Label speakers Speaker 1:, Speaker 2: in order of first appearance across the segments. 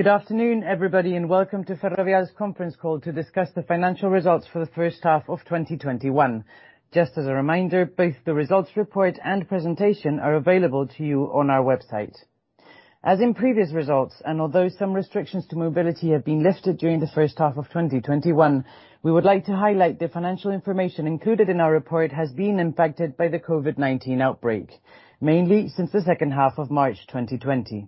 Speaker 1: Good afternoon, everybody, welcome to Ferrovial's conference call to discuss the financial results for the first half of 2021. Just as a reminder, both the results report and presentation are available to you on our website. As in previous results, although some restrictions to mobility have been lifted during the first half of 2021, we would like to highlight the financial information included in our report has been impacted by the COVID-19 outbreak, mainly since the second half of March 2020.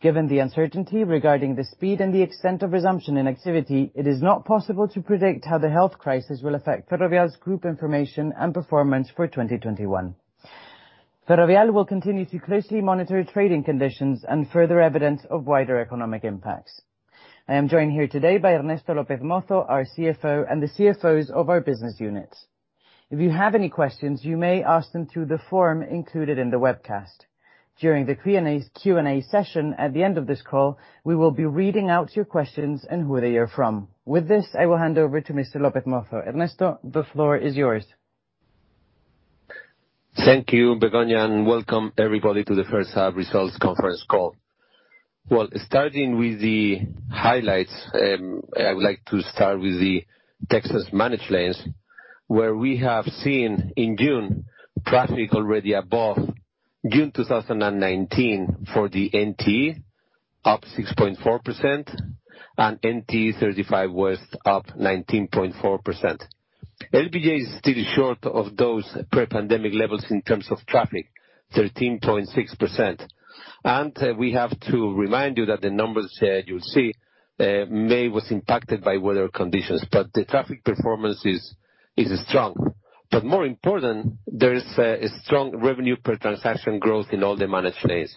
Speaker 1: Given the uncertainty regarding the speed and the extent of resumption in activity, it is not possible to predict how the health crisis will affect Ferrovial's group information and performance for 2021. Ferrovial will continue to closely monitor trading conditions and further evidence of wider economic impacts. I am joined here today by Ernesto López Mozo, our CFO, and the CFOs of our business units. If you have any questions, you may ask them through the form included in the webcast. During the Q&A session at the end of this call, we will be reading out your questions and who they are from. With this, I will hand over to Mr. López-Mozo. Ernesto, the floor is yours.
Speaker 2: Thank you, Begoña, and welcome everybody to the 1st half results conference call. Starting with the highlights, I would like to start with the Texas Managed Lanes, where we have seen in June, traffic already above June 2019 for the NTE, up 6.4%, and NTE 35W was up 19.4%. LBJ is still short of those pre-pandemic levels in terms of traffic, 13.6%. We have to remind you that the numbers here you'll see, May was impacted by weather conditions, but the traffic performance is strong. More important, there is a strong revenue per transaction growth in all the managed lanes.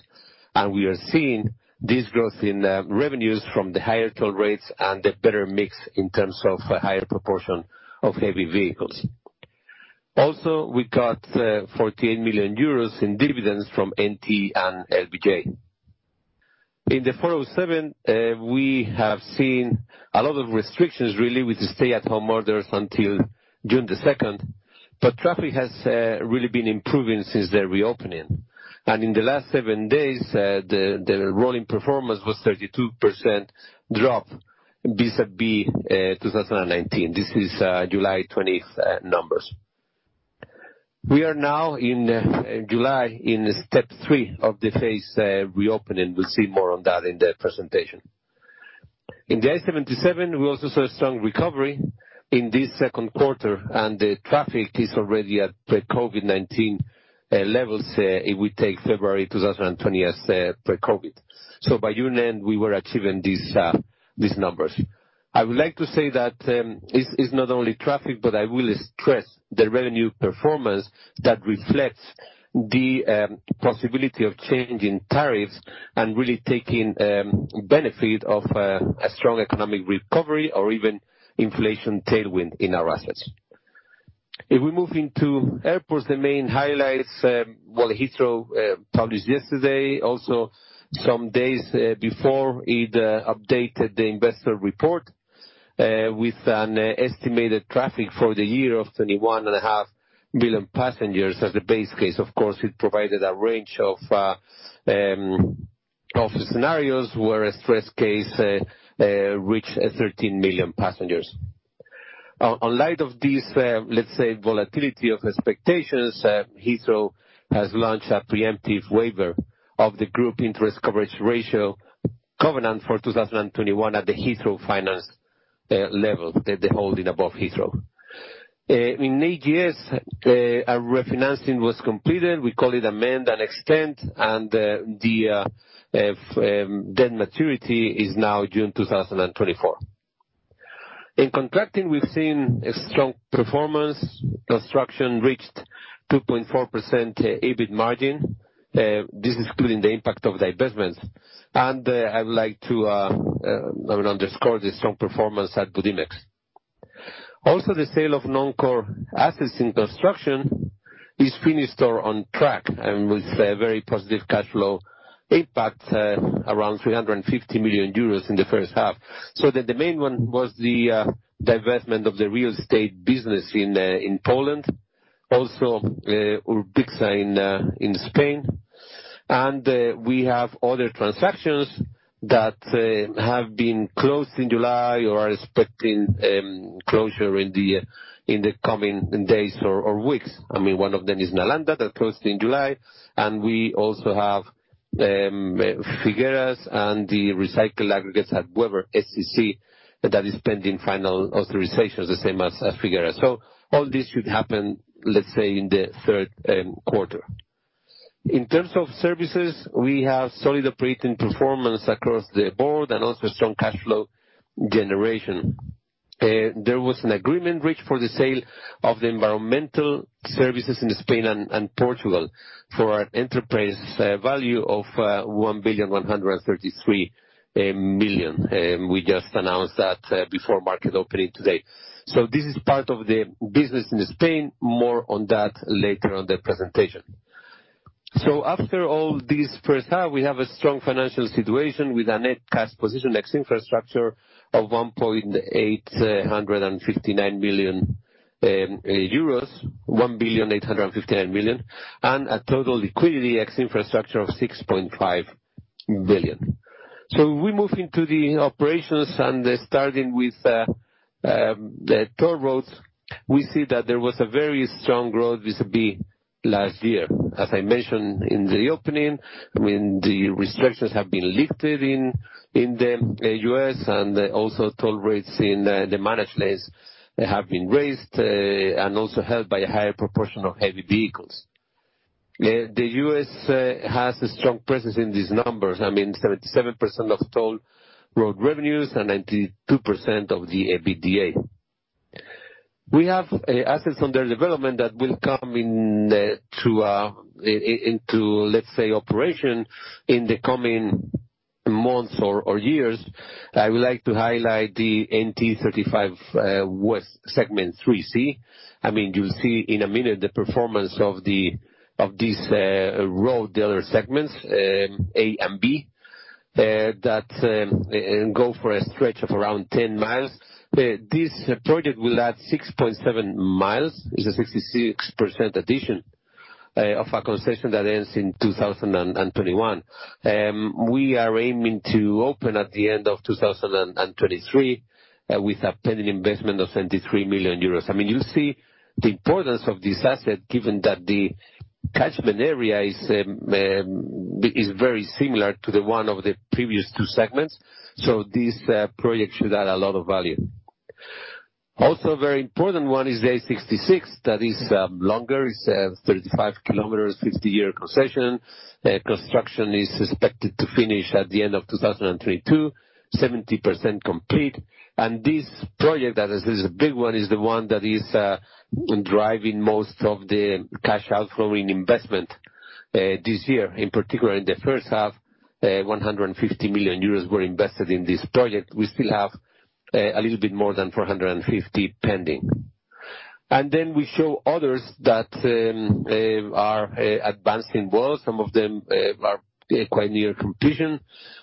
Speaker 2: We are seeing this growth in revenues from the higher toll rates and the better mix in terms of a higher proportion of heavy vehicles. Also, we got 48 million euros in dividends from NTE and LBJ. In the 407, we have seen a lot of restrictions really with the stay-at-home orders until June 2nd, traffic has really been improving since the reopening. In the last seven days, the rolling performance was 32% drop vis-a-vis 2019. This is July 20th numbers. We are now in July, in step three of the phase reopening. We'll see more on that in the presentation. In the I-77, we also saw a strong recovery in this second quarter, the traffic is already at pre-COVID-19 levels, if we take February 2020 as pre-COVID. By June end, we were achieving these numbers. I would like to say that it's not only traffic, I will stress the revenue performance that reflects the possibility of changing tariffs and really taking benefit of a strong economic recovery or even inflation tailwind in our assets. If we move into airports, the main highlights, Heathrow published yesterday, also some days before it updated the investor report, with an estimated traffic for the year of 21.5 million passengers as the base case. Of course, it provided a range of scenarios where a stress case reached 13 million passengers. In light of this, let's say, volatility of expectations, Heathrow has launched a preemptive waiver of the group interest coverage ratio covenant for 2021 at the Heathrow Finance level, the holding above Heathrow. In AGS, a refinancing was completed. We call it amend and extend, and the debt maturity is now June 2024. In contracting, we've seen a strong performance. Construction reached 2.4% EBIT margin. This is including the impact of divestments. I would like to underscore the strong performance at Budimex. The sale of non-core assets in construction is finished or on track with a very positive cash flow impact around 350 million euros in the first half. The main one was the divestment of the real estate business in Poland, Urbicsa in Spain. We have other transactions that have been closed in July or are expecting closure in the coming days or weeks. One of them is Nalanda that closed in July, and we also have Figueres and the recycled aggregates at Webber that is pending final authorization, the same as Figueres. All this should happen, let's say, in the third quarter. In terms of services, we have solid operating performance across the board and also strong cash flow generation. There was an agreement reached for the sale of the environmental services in Spain and Portugal for an enterprise value of 1.133 billion. We just announced that before market opening today. This is part of the business in Spain. More on that later on the presentation. After all this first half, we have a strong financial situation with a net cash position ex-infrastructure of 1.859 billion euros, and a total liquidity ex-infrastructure of 6.5 billion. We move into the operations and starting with the toll roads, we see that there was a very strong growth vis-a-vis last year. As I mentioned in the opening, the restrictions have been lifted in the U.S. and also toll rates in the managed lanes have been raised, and also helped by a higher proportion of heavy vehicles. The U.S. has a strong presence in these numbers, 77% of toll road revenues and 92% of the EBITDA. We have assets under development that will come into, let's say, operation in the coming months or years. I would like to highlight the NTE 35W Segment 3C. You'll see in a minute the performance of these road segments, A and B, that go for a stretch of around 10 mi. This project will add 6.7 mi. It's a 66% addition of a concession that ends in 2021. We are aiming to open at the end of 2023, with a pending investment of 73 million euros. You see the importance of this asset, given that the catchment area is very similar to the one of the previous two segments. This project should add a lot of value. Also very important one is the I-66. That is longer, it's 35 km, 50-year concession. Construction is expected to finish at the end of 2022, 70% complete. This project, that is this big one, is the one that is driving most of the cash outflow in investment this year, in particular in the first half, 150 million euros were invested in this project. We still have a little bit more than 450 million pending. Then we show others that are advancing well. Some of them are quite near completion.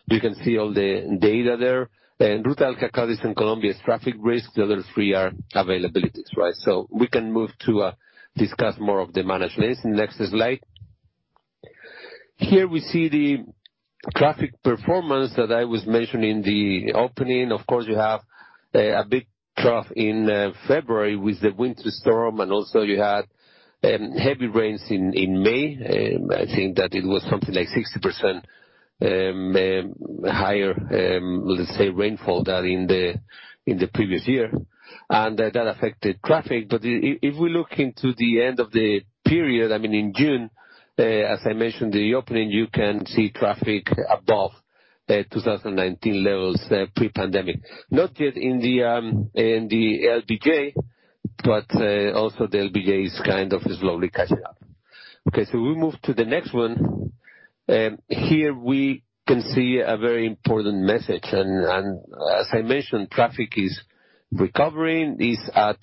Speaker 2: You can see all the data there. Ruta del Cacao in Colombia is traffic risk. The other three are availabilities. We can move to discuss more of the managed lanes. Next slide. Here we see the traffic performance that I was mentioning in the opening. Of course, you have a big trough in February with the winter storm, and also you had heavy rains in May. I think that it was something like 60% higher, let's say, rainfall than in the previous year. That affected traffic. If we look into the end of the period, in June, as I mentioned in the opening, you can see traffic above 2019 levels pre-pandemic. Not yet in the LBJ, but also the LBJ is kind of slowly catching up. We move to the next one. Here we can see a very important message. As I mentioned, traffic is recovering, is at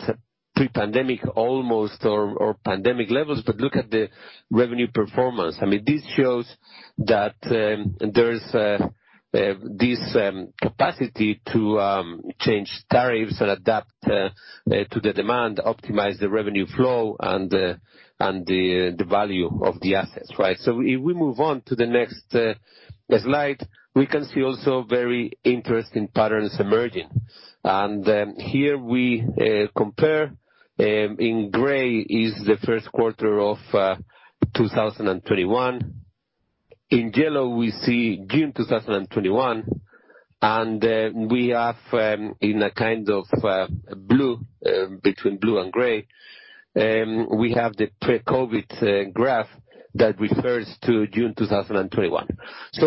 Speaker 2: pre-pandemic almost or pandemic levels. Look at the revenue performance. This shows that there's this capacity to change tariffs and adapt to the demand, optimize the revenue flow and the value of the assets. If we move on to the next slide, we can see also very interesting patterns emerging. Here we compare, in gray is the first quarter of 2021. In yellow we see June 2021, and we have in a kind of blue, between blue and gray, we have the pre-COVID graph that refers to June 2021.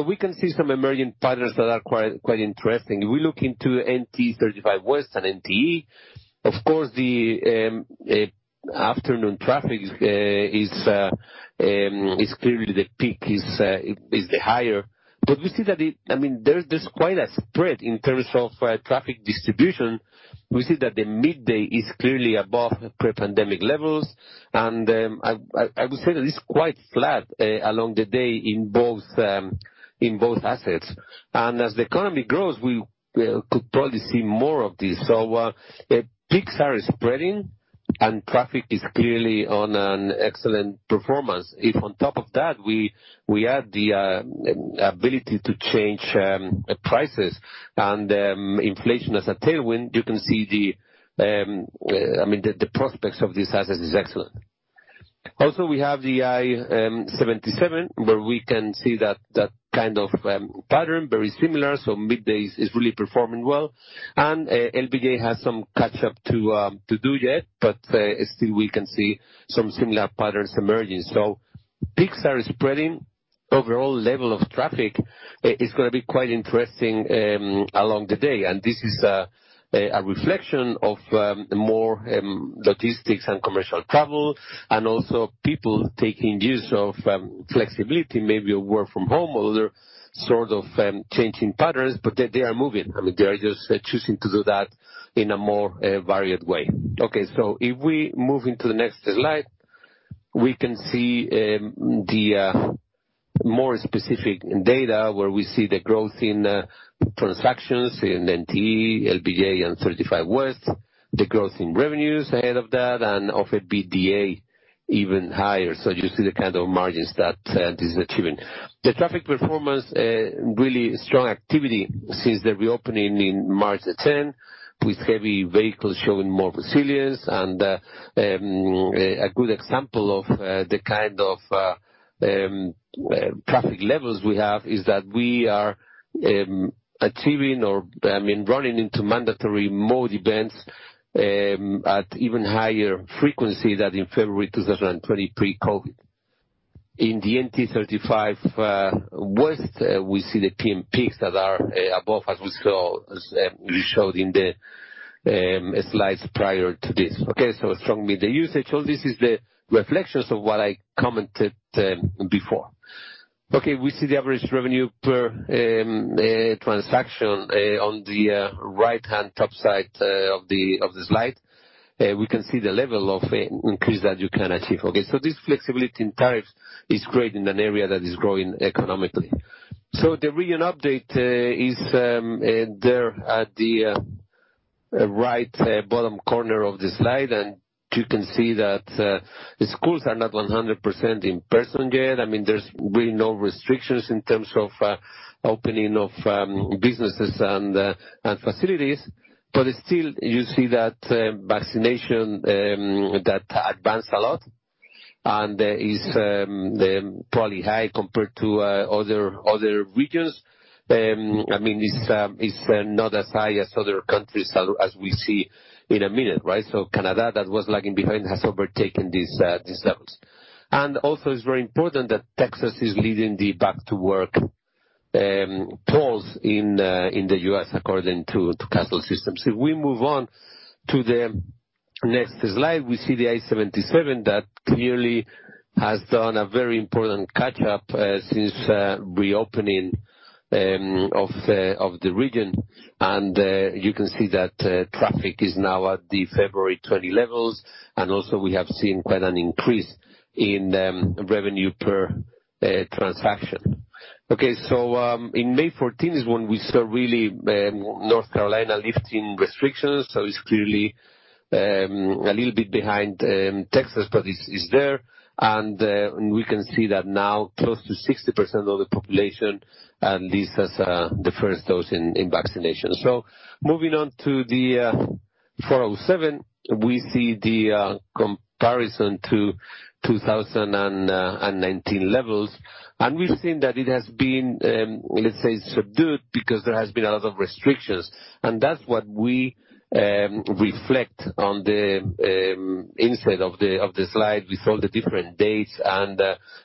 Speaker 2: We can see some emerging patterns that are quite interesting. If we look into NTE 35W and NTE, of course, the afternoon traffic is clearly the peak, is the higher. There's quite a spread in terms of traffic distribution. We see that the midday is clearly above pre-pandemic levels, and I would say that it's quite flat along the day in both assets. As the economy grows, we could probably see more of this. Peaks are spreading and traffic is clearly on an excellent performance. If on top of that, we add the ability to change prices and inflation as a tailwind, you can see the prospects of these assets is excellent. We have the I-77 where we can see that kind of pattern, very similar, midday is really performing well. LBJ has some catch up to do yet, but still we can see some similar patterns emerging. Peaks are spreading. Overall level of traffic is going to be quite interesting along the day. This is a reflection of more logistics and commercial travel and also people taking use of flexibility, maybe work from home or other sort of changing patterns, but they are moving. They are just choosing to do that in a more varied way. If we move into the next slide, we can see the more specific data where we see the growth in transactions in NTE, LBJ, and 35 West, the growth in revenues ahead of that, and offer EBITDA even higher. You see the kind of margins that this is achieving. The traffic performance, really strong activity since the reopening in March 10th, with heavy vehicles showing more resilience and a good example of the kind of traffic levels we have is that we are achieving or running into mandatory mode events at even higher frequency than in February 2020 pre-COVID. In the NTE 35W, we see the TMPs that are above, as we showed in the slides prior to this. Okay. Strong with the usage. All this is the reflections of what I commented before. We see the average revenue per transaction on the right-hand top side of the slide. We can see the level of increase that you can achieve. This flexibility in tariffs is great in an area that is growing economically. The region update is there at the right bottom corner of the slide, and you can see that schools are not 100% in person yet. There's really no restrictions in terms of opening of businesses and facilities. Still, you see that vaccination advanced a lot, and is probably high compared to other regions. It's not as high as other countries as we see in a minute. Right? Canada, that was lagging behind, has overtaken these levels. It's very important that Texas is leading the back to work pulse in the U.S. according to Kastle Systems. If we move on to the next slide, we see the I-77 that clearly has done a very important catch-up since reopening of the region, and you can see that traffic is now at the February 20 levels, and also we have seen quite an increase in revenue per transaction. In May 14 is when we saw really North Carolina lifting restrictions, so it's clearly a little bit behind Texas, but it's there. We can see that now close to 60% of the population at least has the first dose in vaccination. Moving on to the 407, we see the comparison to 2019 levels, and we've seen that it has been, let's say, subdued because there has been a lot of restrictions. That's what we reflect on the inside of the slide with all the different dates and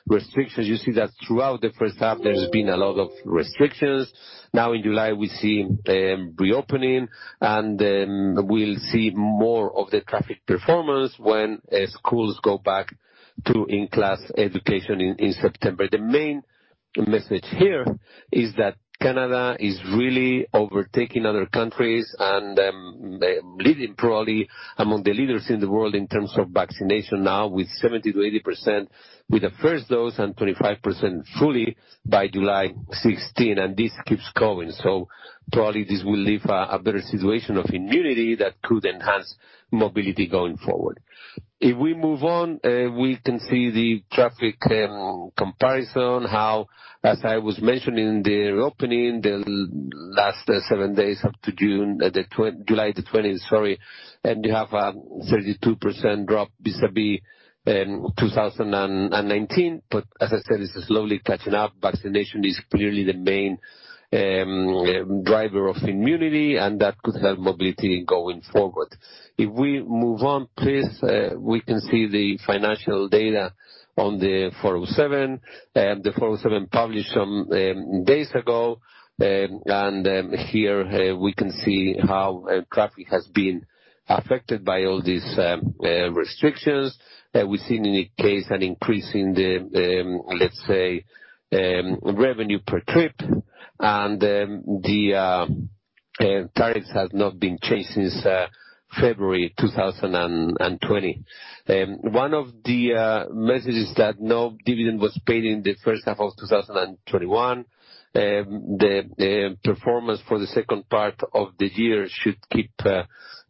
Speaker 2: restrictions. You see that throughout the first half, there's been a lot of restrictions. Now in July, we see reopening, and we'll see more of the traffic performance when schools go back to in-class education in September. The main message here is that Canada is really overtaking other countries and leading probably among the leaders in the world in terms of vaccination now with 70%-80% with the first dose and 25% fully by July 16. This keeps going. Probably this will leave a better situation of immunity that could enhance mobility going forward. If we move on, we can see the traffic comparison, how, as I was mentioning, the reopening the last seven days up to July 20th, sorry, and you have a 32% drop vis-a-vis 2019. As I said, it's slowly catching up. Vaccination is clearly the main driver of immunity, and that could help mobility going forward. If we move on, please, we can see the financial data on the 407. The 407 published some days ago. Here we can see how traffic has been affected by all these restrictions. We've seen in the case an increase in the, let's say, revenue per trip, and the tariffs have not been changed since February 2020. One of the messages that no dividend was paid in the first half of 2021. The performance for the second part of the year should keep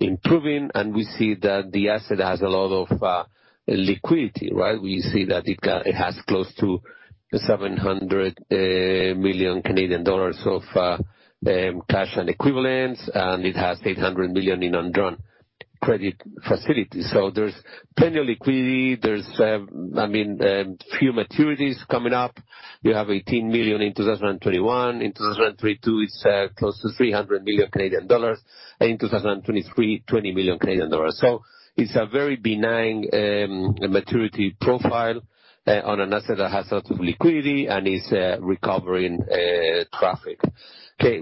Speaker 2: improving, and we see that the asset has a lot of liquidity, right? We see that it has close to 700 million Canadian dollars of cash and equivalents, and it has 800 million in undrawn credit facility. There's plenty of liquidity. There's few maturities coming up. You have 18 million in 2021. In 2022, it's close to 300 million Canadian dollars. In 2023, 20 million Canadian dollars. It's a very benign maturity profile on an asset that has lots of liquidity and is recovering traffic.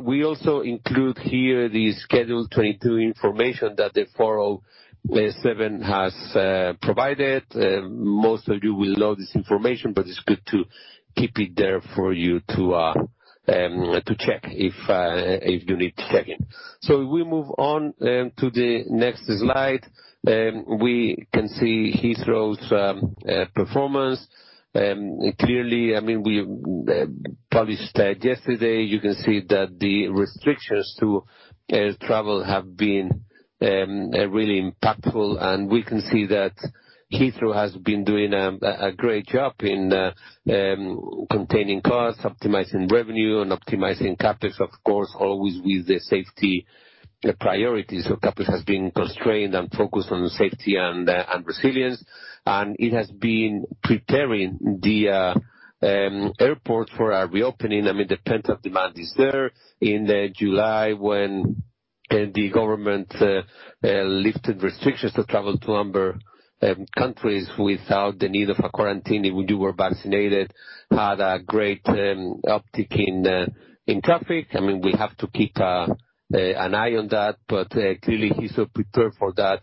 Speaker 2: We also include here the Schedule 22 information that the 407 has provided. Most of you will know this information, but it's good to keep it there for you to check if you need to check it. We move on to the next slide. We can see Heathrow's performance. Clearly, we published yesterday, you can see that the restrictions to air travel have been really impactful, and we can see that Heathrow has been doing a great job in containing costs, optimizing revenue, and optimizing CapEx, of course, always with the safety priorities. CapEx has been constrained and focused on safety and resilience, and it has been preparing the airport for a reopening. The pent-up demand is there. In July, when the government lifted restrictions to travel to amber countries without the need of a quarantine if you were vaccinated, had a great uptick in traffic. We have to keep an eye on that. Clearly Heathrow prepared for that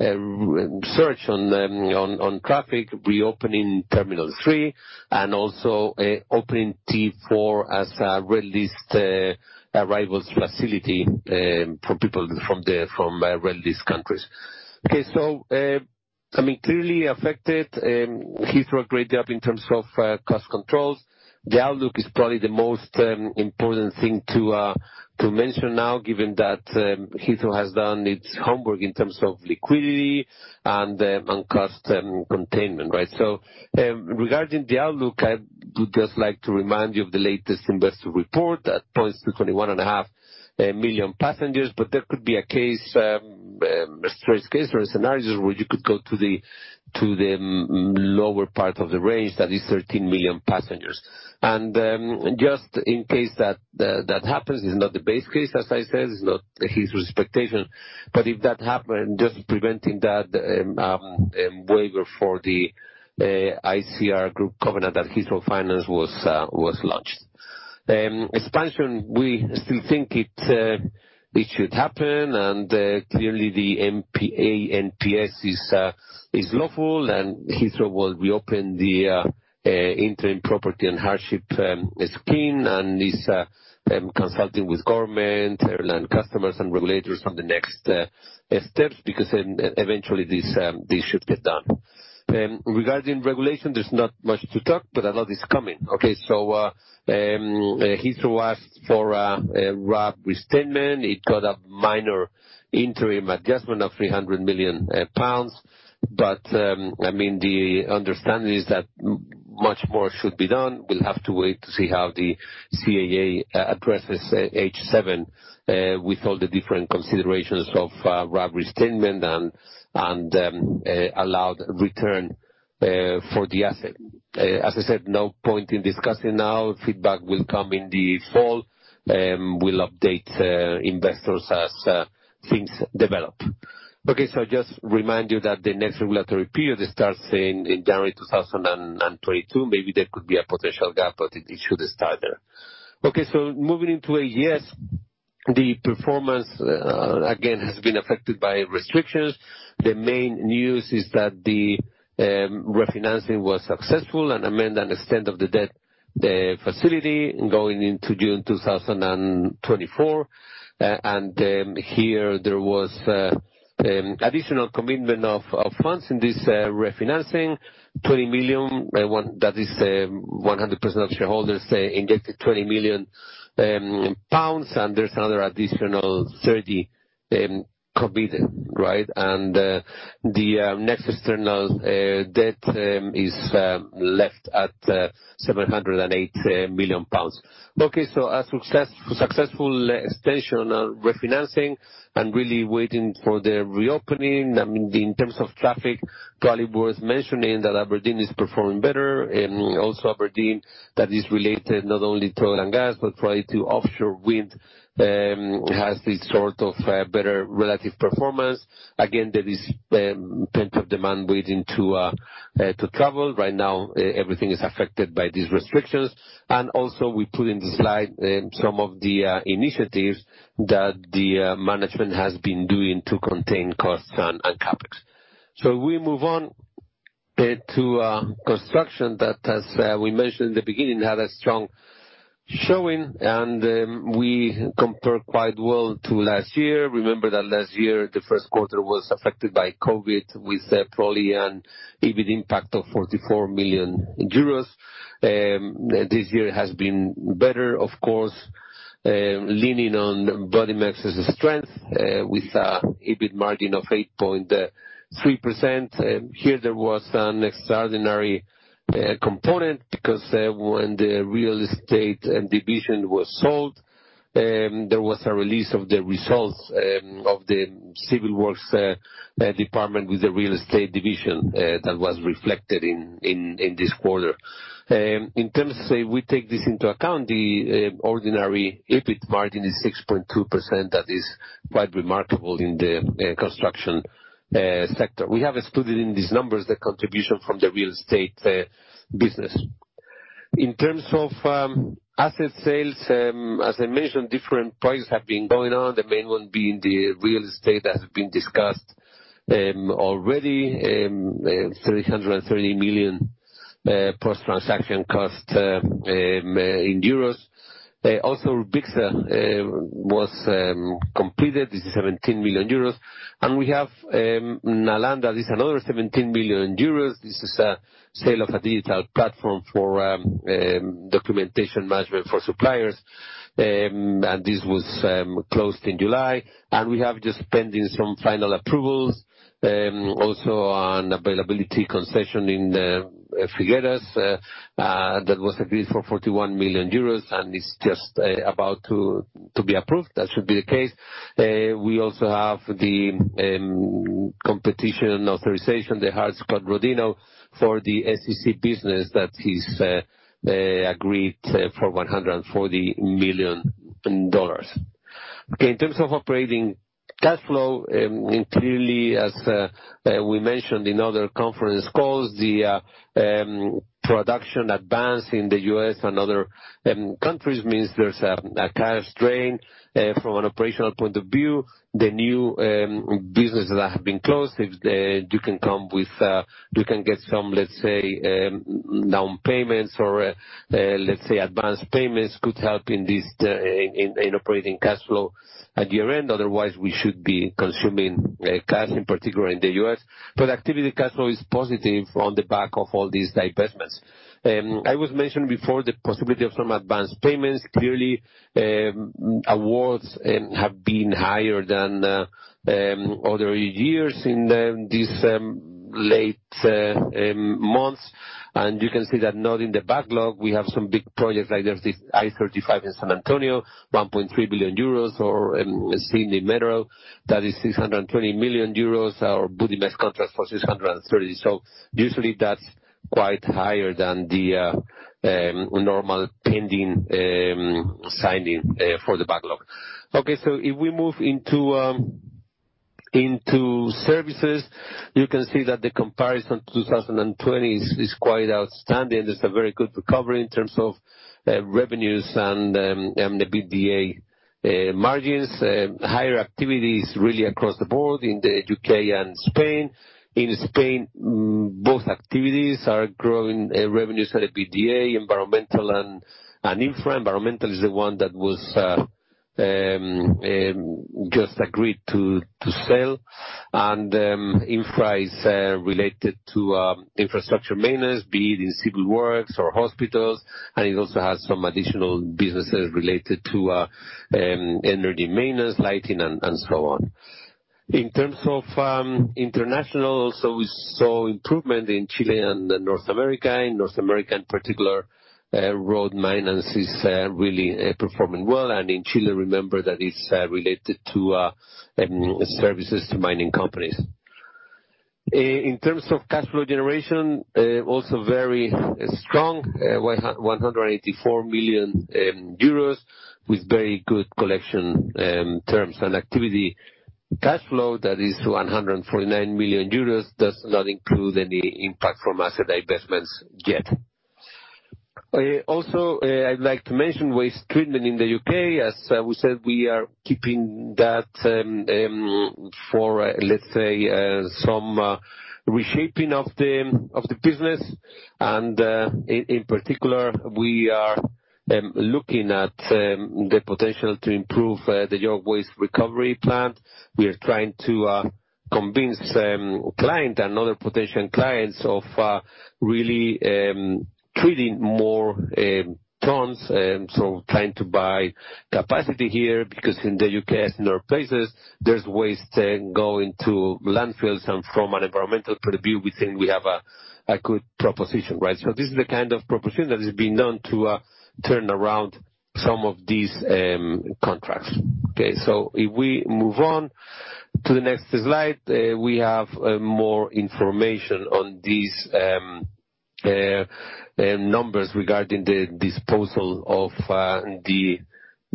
Speaker 2: surge on traffic, reopening Terminal three, and also opening T4 as a red list arrivals facility for people from red list countries. Okay. Clearly affected, Heathrow great job in terms of cost controls. The outlook is probably the most important thing to mention now, given that Heathrow has done its homework in terms of liquidity and cost containment. Right? Regarding the outlook, I would just like to remind you of the latest investor report that points to 21.5 million passengers. There could be a stress case or a scenario where you could go to the lower part of the range, that is 13 million passengers. Just in case that happens, it's not the base case, as I said, it's not Heathrow's expectation. If that happened, just preventing that waiver for the ICR group covenant at Heathrow Finance was launched. Expansion, we still think it should happen, and clearly the ANPS is lawful, and Heathrow will reopen the interim property and hardship scheme, and is consulting with government, airline customers, and regulators on the next steps, because eventually this should get done. Regarding regulation, there's not much to talk, but a lot is coming. Okay? Heathrow asked for a RAB restatement. It got a minor interim adjustment of 300 million pounds. The understanding is that much more should be done. We'll have to wait to see how the CAA addresses H7 with all the different considerations of RAB restatement and allowed return for the asset. As I said, no point in discussing now. Feedback will come in the fall. We'll update investors as things develop. Just remind you that the next regulatory period starts in January 2022. Maybe there could be a potential gap, but it should start there. Moving into AGS Airports, the performance again, has been affected by restrictions. The main news is that the refinancing was successful, amend and extend of the debt facility going into June 2024. Here there was additional commitment of funds in this refinancing, 20 million, that is 100% of shareholders injected 20 million pounds, and there's another additional 30 committed. The net external debt is left at 708 million pounds. A successful extension on refinancing and really waiting for the reopening. In terms of traffic, probably worth mentioning that Aberdeen is performing better. Aberdeen, that is related not only to oil and gas, but probably to offshore wind, has this better relative performance. There is pent-up demand waiting to travel. Right now, everything is affected by these restrictions. We put in the slide some of the initiatives that the management has been doing to contain costs and CapEx. We move on to construction that, as we mentioned in the beginning, had a strong showing, and we compare quite well to last year. Remember that last year, the first quarter was affected by COVID-19, with probably an EBIT impact of 44 million euros. This year has been better, of course, leaning on Ferrovial's strength, with a EBIT margin of 8.3%. Here, there was an extraordinary component because when the real estate division was sold, there was a release of the results of the civil works department with the real estate division that was reflected in this quarter. In terms of, we take this into account, the ordinary EBIT margin is 6.2%. That is quite remarkable in the construction sector. We have excluded in these numbers the contribution from the real estate business. In terms of asset sales, as I mentioned, different projects have been going on, the main one being the real estate that has been discussed already, 330 million post-transaction cost in euros. Also, Urbicsa was completed. This is 17 million euros. We have Nalanda is another 17 million euros. This is a sale of a digital platform for documentation management for suppliers. This was closed in July. We have just pending some final approvals, also on availability concession in Figueres, that was agreed for 41 million euros, and it's just about to be approved. That should be the case. We also have the competition authorization, the Hart-Scott-Rodino, for the Services business that is agreed for 140 million dollars. In terms of operating cash flow, clearly as we mentioned in other conference calls, the production advance in the U.S. and other countries means there's a cash drain. From an operational point of view, the new businesses that have been closed, you can get some, let's say, down payments or, let's say, advanced payments could help in operating cash flow at year-end. Otherwise, we should be consuming cash, in particular in the U.S. Activity cash flow is positive on the back of all these divestments. I was mentioning before the possibility of some advanced payments. Awards have been higher than other years in these late months. You can see that not in the backlog, we have some big projects, like there's this I-35 in San Antonio, 1.3 billion euros, or Sydney Metro, that is 620 million euros, or Budimex contract for 630. Usually, that's quite higher than the normal pending signing for the backlog. If we move into Services, you can see that the comparison to 2020 is quite outstanding. It's a very good recovery in terms of revenues and the EBITDA margins. Higher activities really across the board in the U.K. and Spain. In Spain, both activities are growing revenues and EBITDA, environmental and infra. Environmental is the one that was just agreed to sell. Infra is related to infrastructure maintenance, be it in civil works or hospitals, and it also has some additional businesses related to energy maintenance, lighting and so on. In terms of international, also we saw improvement in Chile and North America. In North America, in particular, road maintenance is really performing well. In Chile, remember that it's related to services to mining companies. In terms of cash flow generation, also very strong. 184 million euros with very good collection terms and activity. Cash flow, that is 149 million euros, does not include any impact from asset divestments yet. I'd like to mention waste treatment in the U.K. As we said, we are keeping that for, let's say, some reshaping of the business. In particular, we are looking at the potential to improve the York Waste Recovery plant. We are trying to convince client and other potential clients of really treating more tons, so trying to buy capacity here, because in the U.K., as in other places, there's waste going to landfills, and from an environmental point of view, we think we have a good proposition, right? This is the kind of proposition that is being done to turn around some of these contracts. If we move on to the next slide, we have more information on these numbers regarding the disposal of the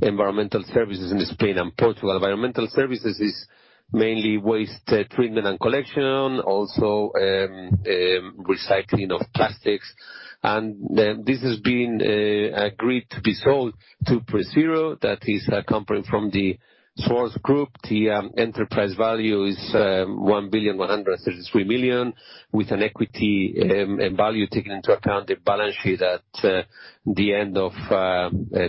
Speaker 2: environmental services in Spain and Portugal. Environmental services is mainly waste treatment and collection, also recycling of plastics. This has been agreed to be sold to PreZero, that is a company from the Schwarz Group. The enterprise value is 1,133 million, with an equity value taken into account, the balance sheet at the end of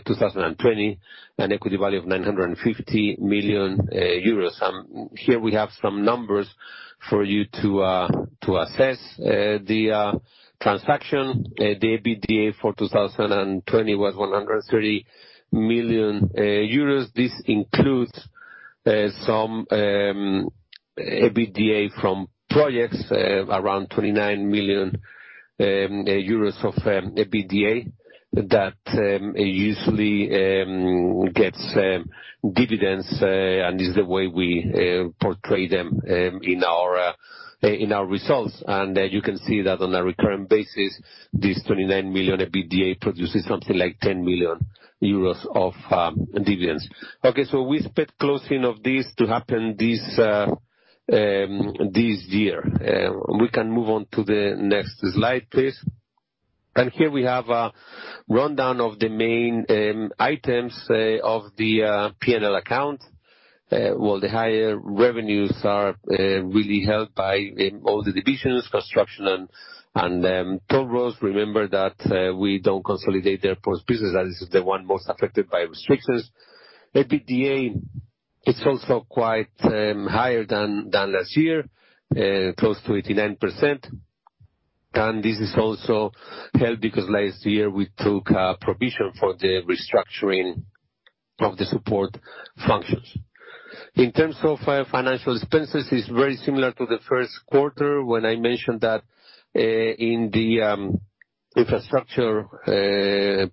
Speaker 2: 2020, an equity value of 950 million euros. Here we have some numbers for you to assess the transaction. The EBITDA for 2020 was 130 million euros. This includes some EBITDA from projects, around 29 million euros of EBITDA, that usually gets dividends, is the way we portray them in our results. You can see that on a recurrent basis, this 29 million EBITDA produces something like 10 million euros of dividends. We expect closing of this to happen this year. We can move on to the next slide, please. Here we have a rundown of the main items of the P&L account, where the higher revenues are really held by all the divisions, construction and toll roads. Remember that we don't consolidate Airports business, that is the one most affected by restrictions. EBITDA. It's also quite higher than last year, close to 89%. This is also helped because last year we took a provision for the restructuring of the support functions. In terms of financial expenses, it's very similar to the first quarter when I mentioned that in the infrastructure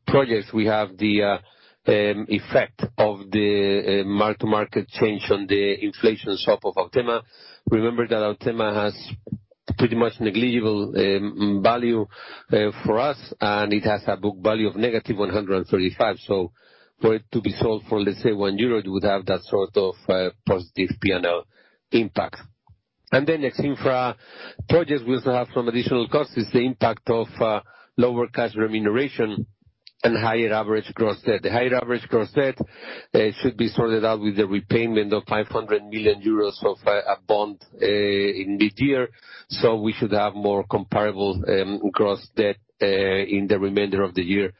Speaker 2: projects, we have the effect of the mark-to-market change on the inflation swap of Autema. Remember that Autema has pretty much negligible value for us. It has a book value of negative 135. For it to be sold for, let's say, 1 euro, it would have that sort of positive P&L impact. Ex-infra projects will also have some additional costs, is the impact of lower cash remuneration and higher average gross debt. The higher average gross debt should be sorted out with the repayment of 500 million euros of a bond in mid-year. We should have more comparable gross debt in the remainder of the year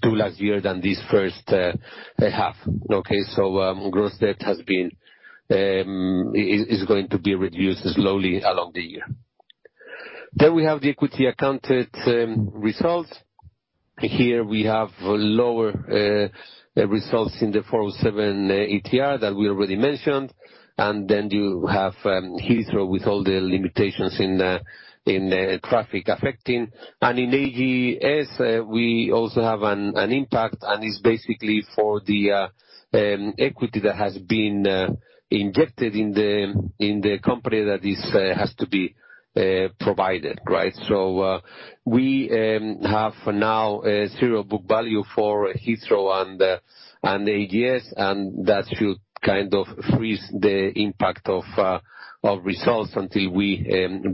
Speaker 2: to last year than this first half. Okay? Gross debt is going to be reduced slowly along the year. We have the equity accounted results. Here, we have lower results in the 407 ETR that we already mentioned. You have Heathrow with all the limitations in traffic affecting. In AGS, we also have an impact, and it's basically for the equity that has been injected in the company that has to be provided, right? We have now zero book value for Heathrow and AGS, and that should kind of freeze the impact of results until we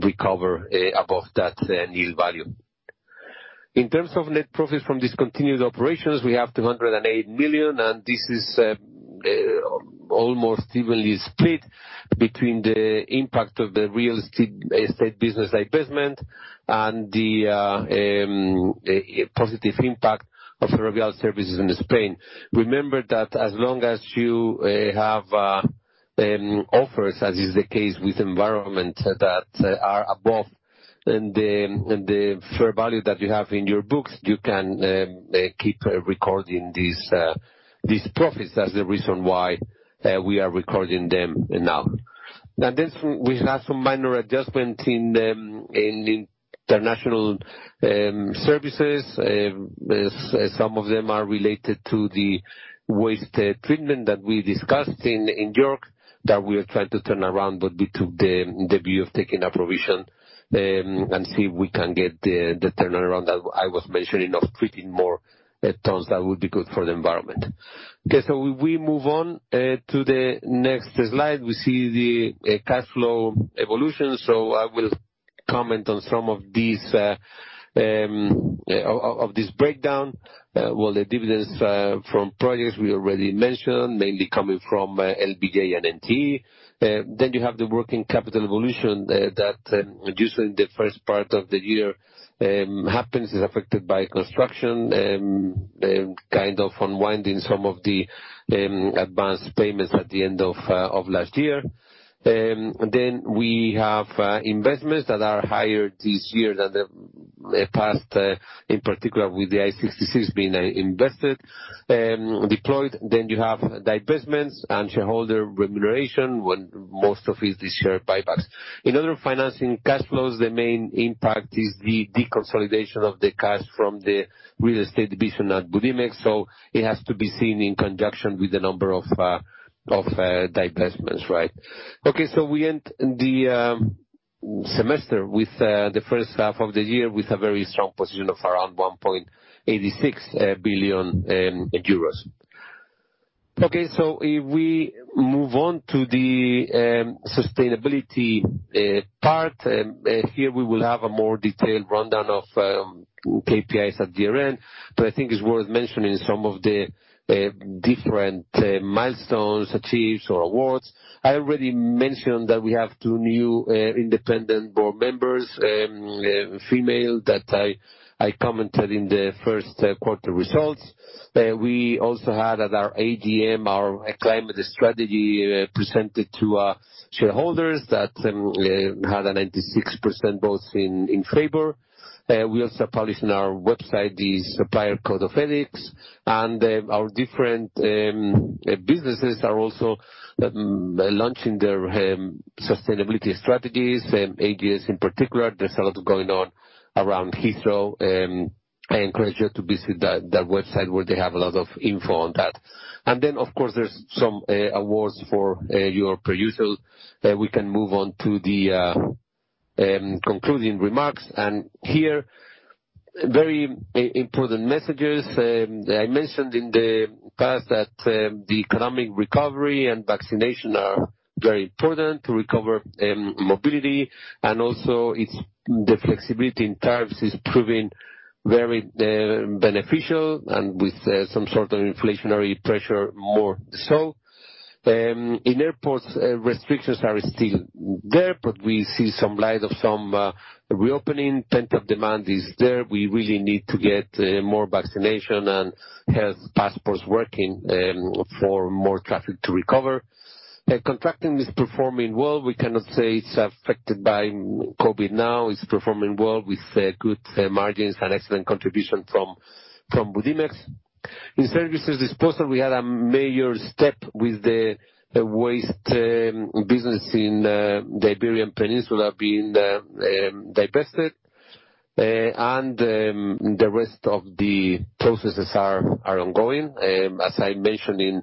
Speaker 2: recover above that yield value. In terms of net profit from discontinued operations, we have 208 million. This is almost evenly split between the impact of the real estate business divestment and the positive impact of Ferrovial Services in Spain. Remember that as long as you have offers, as is the case with environment, that are above the fair value that you have in your books, you can keep recording these profits. That's the reason why we are recording them now. We have some minor adjustment in international Services. Some of them are related to the waste treatment that we discussed in York that we are trying to turn around. We took the view of taking a provision and see if we can get the turnaround that I was mentioning of treating more tons that would be good for the environment. We move on to the next slide. We see the cash flow evolution. I will comment on some of this breakdown. Well, the dividends from projects we already mentioned, mainly coming from LBJ and NTE. You have the working capital evolution that usually in the first part of the year happens, is affected by construction, kind of unwinding some of the advanced payments at the end of last year. We have investments that are higher this year than the past, in particular with the I-66 being invested, deployed. You have divestments and shareholder remuneration, when most of it is share buybacks. In other financing cash flows, the main impact is the deconsolidation of the cash from the real estate division at Budimex, it has to be seen in conjunction with the number of divestments, right? We end the semester with the first half of the year with a very strong position of around 1.86 billion euros. If we move on to the sustainability part, here we will have a more detailed rundown of KPIs at DRN, but I think it's worth mentioning some of the different milestones achieved or awards. I already mentioned that we have two new independent board members, female, that I commented in the first quarter results. We also had at our AGM, our climate strategy presented to our shareholders that had a 96% votes in favor. We also published on our website the supplier code of ethics, and our different businesses are also launching their sustainability strategies. AGS in particular, there's a lot going on around Heathrow. I encourage you to visit that website where they have a lot of info on that. Of course, there's some awards for EuroPerio Ausol. We can move on to the concluding remarks, and here, very important messages. I mentioned in the past that the economic recovery and vaccination are very important to recover mobility, and also the flexibility in tariffs is proving very beneficial and with some sort of inflationary pressure more so. In airports, restrictions are still there, but we see some light of some reopening. Pent-up demand is there. We really need to get more vaccination and health passports working for more traffic to recover. Contracting is performing well. We cannot say it's affected by COVID-19 now. It's performing well with good margins and excellent contribution from Budimex. In Services disposal, we had a major step with the waste business in the Iberian Peninsula being divested, and the rest of the processes are ongoing. As I mentioned in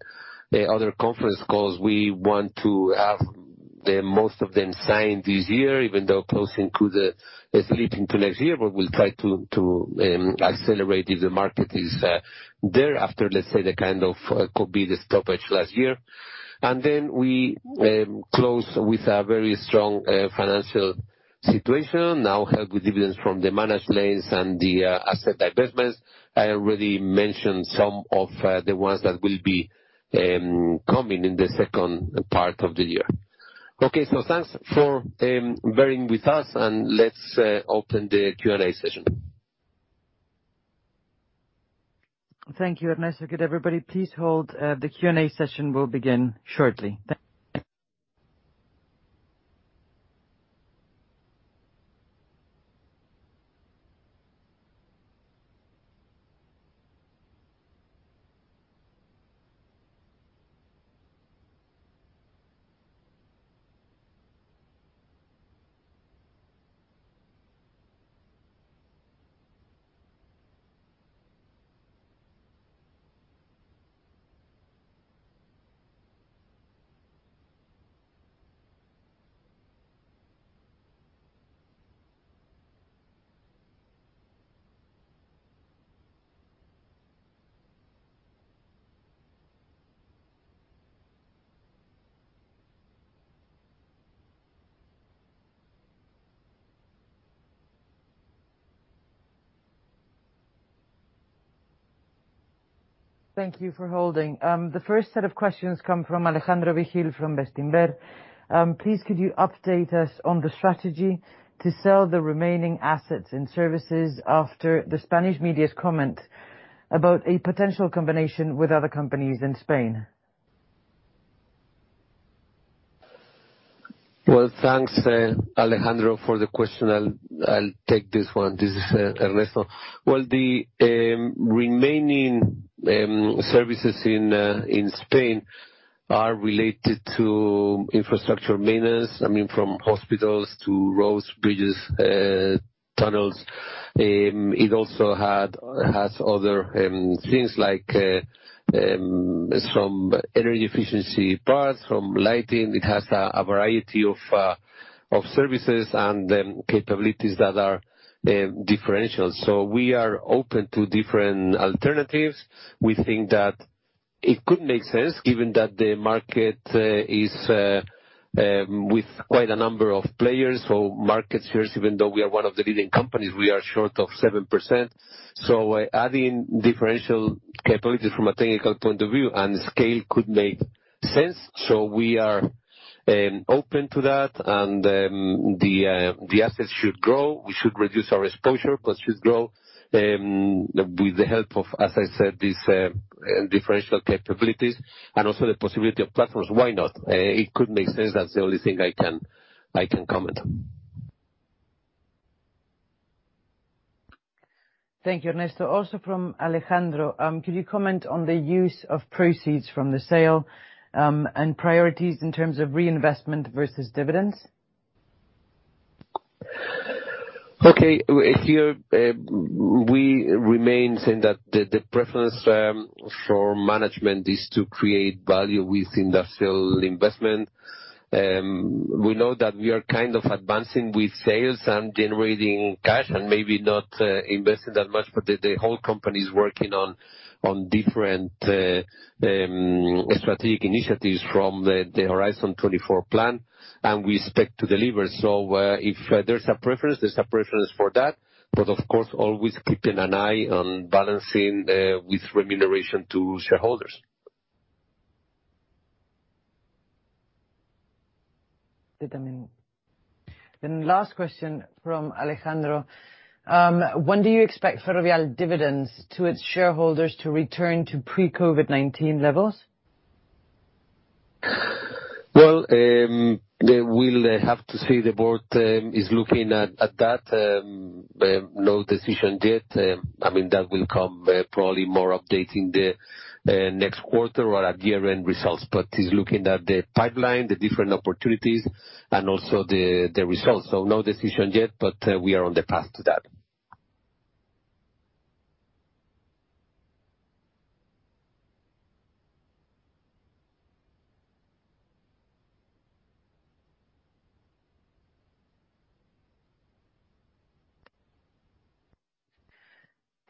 Speaker 2: the other conference calls, we want to have most of them signed this year, even though closing could be slipping to next year. We'll try to accelerate if the market is there after, let's say, the kind of COVID stoppage last year. We close with a very strong financial situation, now have good dividends from the managed lanes and the asset divestments. I already mentioned some of the ones that will be coming in the second part of the year. Okay, thanks for bearing with us, and let's open the Q&A session.
Speaker 1: Thank you, Ernesto. Good day, everybody. Please hold the Q&A session will begin shortly. Thank you for holding. The first set of questions come from Alejandro Vigil from Bestinver. Please, could you update us on the strategy to sell the remaining assets and Services after the Spanish media's comment about a potential combination with other companies in Spain?
Speaker 2: Well, thanks, Alejandro, for the question. I'll take this one. This is Ernesto. Well, the remaining Services in Spain are related to infrastructure maintenance, I mean, from hospitals to roads, bridges, tunnels. It also has other things like some energy efficiency parts from lighting. It has a variety of Services and capabilities that are differential. We are open to different alternatives. We think that it could make sense given that the market is with quite a number of players. Market shares, even though we are one of the leading companies, we are short of 7%. Adding differential capabilities from a technical point of view and scale could make sense. We are open to that, and the assets should grow. We should reduce our exposure, but should grow with the help of, as I said, these differential capabilities and also the possibility of platforms. Why not? It could make sense. That's the only thing I can comment on.
Speaker 1: Thank you, Ernesto. From Alejandro, could you comment on the use of proceeds from the sale, and priorities in terms of reinvestment versus dividends?
Speaker 2: Okay. Here, we remain saying that the preference for management is to create value with industrial investment. We know that we are kind of advancing with sales and generating cash and maybe not investing that much, but the whole company is working on different strategic initiatives from the Horizon 24 plan, and we expect to deliver. If there's a preference, there's a preference for that, but of course, always keeping an eye on balancing with remuneration to shareholders.
Speaker 1: Last question from Alejandro. When do you expect Ferrovial dividends to its shareholders to return to pre-COVID-19 levels?
Speaker 2: We'll have to see. The board is looking at that. No decision yet. That will come probably more update in the next quarter or at year-end results. Is looking at the pipeline, the different opportunities, and also the results. No decision yet, but we are on the path to that.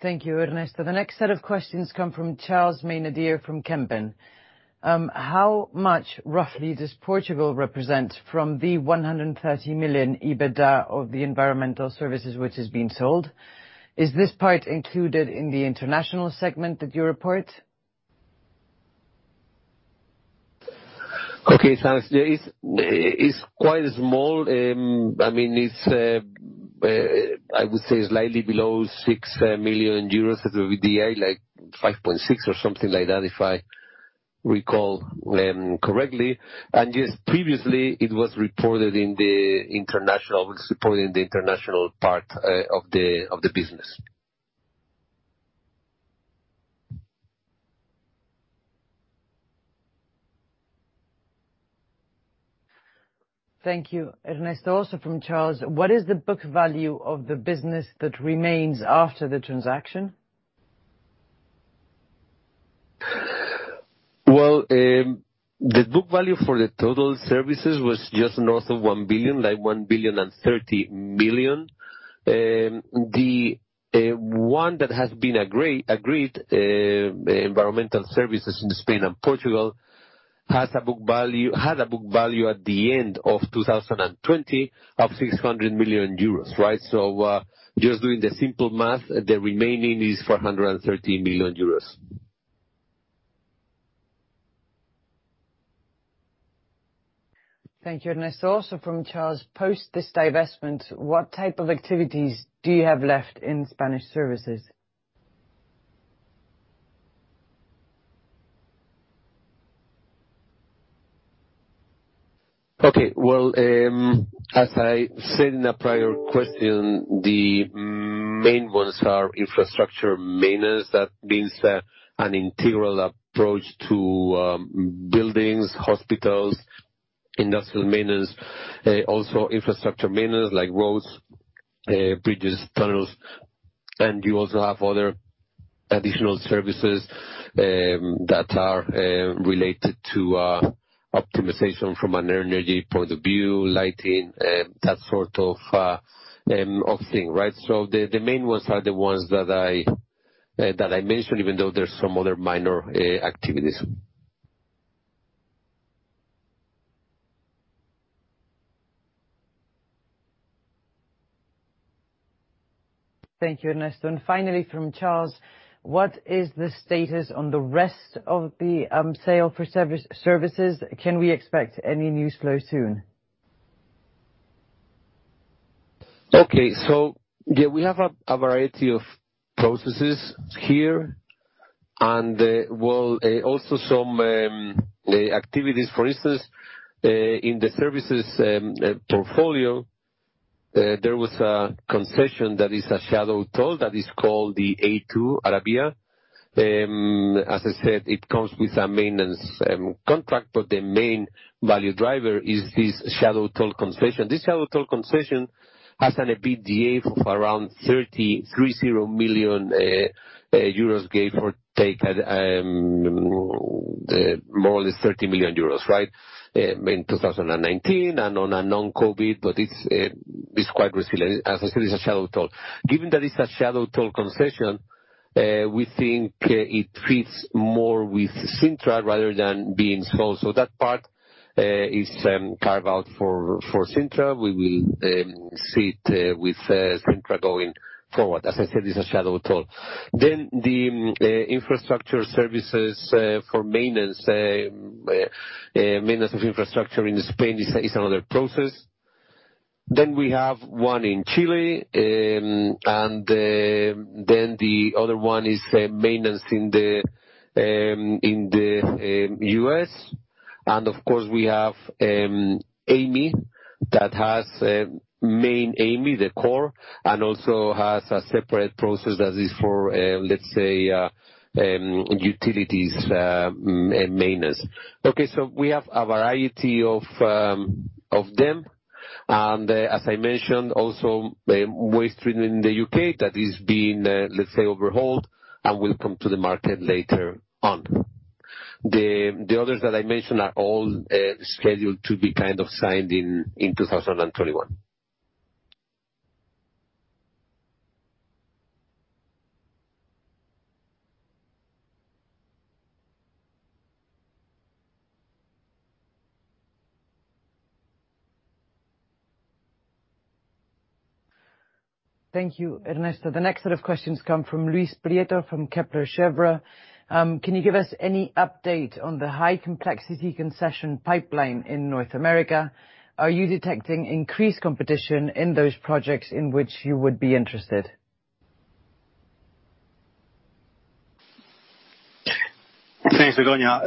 Speaker 1: Thank you, Ernesto. The next set of questions come from Charles Maynadier from Kempen. How much, roughly, does Portugal represent from the 130 million EBITDA of the environmental services which is being sold? Is this part included in the international segment that you report?
Speaker 2: Okay, thanks. It's quite small. I mean, it's I would say slightly below 6 million euros of EBITDA, like 5.6 million or something like that, if I recall correctly. Yes, previously it was reported in the international part of the business.
Speaker 1: Thank you, Ernesto. Also from Charles: what is the book value of the business that remains after the transaction?
Speaker 2: The book value for the total Services was just north of 1 billion, like 1,030 million. The one that has been agreed, environmental services in Spain and Portugal, had a book value at the end of 2020 of 600 million euros. Just doing the simple math, the remaining is 430 million euros.
Speaker 1: Thank you, Ernesto. Also from Charles: post this divestment, what type of activities do you have left in Spanish Services?
Speaker 2: Well, as I said in a prior question, the main ones are infrastructure maintenance. That means an integral approach to buildings, hospitals, industrial maintenance, also infrastructure maintenance like roads, bridges, tunnels. You also have other additional services that are related to optimization from an energy point of view, lighting, that sort of thing. The main ones are the ones that I mentioned, even though there's some other minor activities.
Speaker 1: Thank you, Ernesto. Finally, from Charles: what is the status on the rest of the sale for Services? Can we expect any news flow soon?
Speaker 2: Yeah, we have a variety of processes here, well, also some activities. For instance, in the Services portfolio, there was a concession that is a shadow toll that is called the Autovía. As I said, it comes with a maintenance contract, the main value driver is this shadow toll concession. This shadow toll concession has an EBITDA of around 30 million euros in 2019 and on a non-COVID-19, it's quite resilient. As I said, it's a shadow toll. Given that it's a shadow toll concession, we think it fits more with Cintra rather than being sold. That part is carve out for Cintra. We will see it with Cintra going forward. As I said, it's a shadow toll. The infrastructure services for maintenance of infrastructure in Spain is another process. We have one in Chile, and the other one is maintenance in the U.S. Of course, we have Amey that has main Amey, the core, and also has a separate process that is for, let's say, utilities maintenance. Okay, we have a variety of them. As I mentioned, also waste treatment in the U.K., that is being, let's say, overhauled and will come to the market later on. The others that I mentioned are all scheduled to be signed in 2021.
Speaker 1: Thank you, Ernesto. The next set of questions come from Luis Prieto from Kepler Cheuvreux. Can you give us any update on the high complexity concession pipeline in North America? Are you detecting increased competition in those projects in which you would be interested?
Speaker 3: Thanks, Begoña,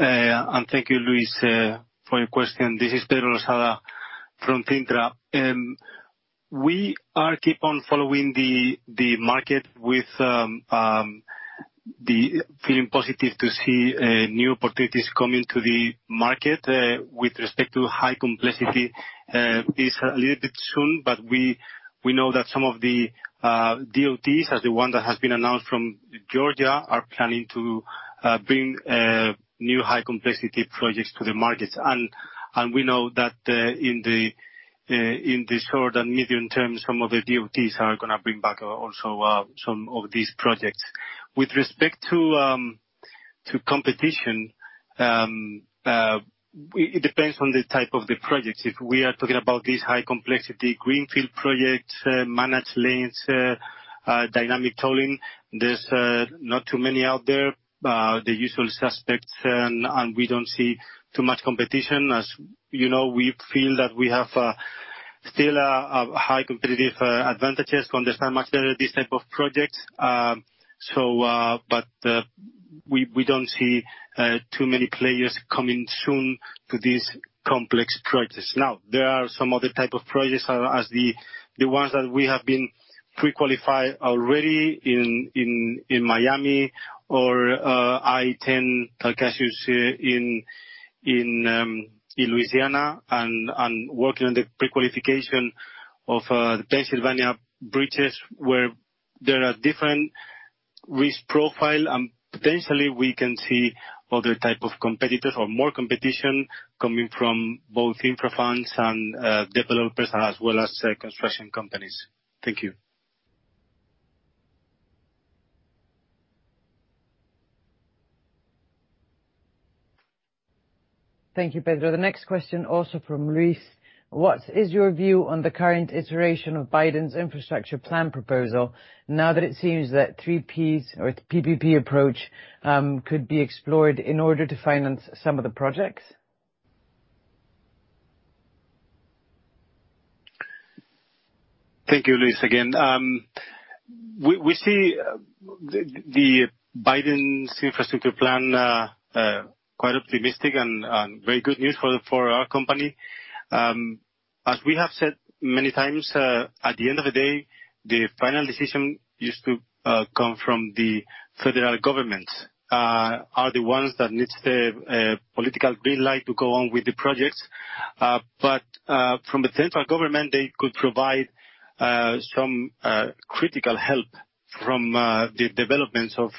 Speaker 3: and thank you, Luis, for your question. This is Pedro Losada from Cintra. We keep on following the market with the feeling positive to see new opportunities coming to the market. With respect to high complexity, it's a little bit soon, but we know that some of the DOTs, as the one that has been announced from Georgia, are planning to bring new high complexity projects to the markets. We know that in the short and medium term, some of the DOTs are going to bring back also some of these projects. With respect to competition, it depends on the type of the projects. If we are talking about these high complexity greenfield projects, managed lanes. Dynamic tolling. There's not too many out there, the usual suspects, and we don't see too much competition. As you know, we feel that we have still a high competitive advantages to understand much better this type of projects. We don't see too many players coming soon to these complex projects. Now, there are some other type of projects, as the ones that we have been pre-qualified already in Miami or I-10 Calcasieu in Louisiana, and working on the pre-qualification of the Pennsylvania bridges, where there are different risk profile, and potentially we can see other type of competitors or more competition coming from both infra funds and developers as well as construction companies. Thank you.
Speaker 1: Thank you, Pedro. The next question also from Luis. What is your view on the current iteration of Biden's infrastructure plan proposal now that it seems that 3 Ps or PPP approach could be explored in order to finance some of the projects?
Speaker 3: Thank you, Luis, again. We see the Biden's infrastructure plan quite optimistic and very good news for our company. As we have said many times, at the end of the day, the final decision used to come from the federal government, are the ones that needs the political green light to go on with the projects. From the central government, they could provide some critical help from the developments of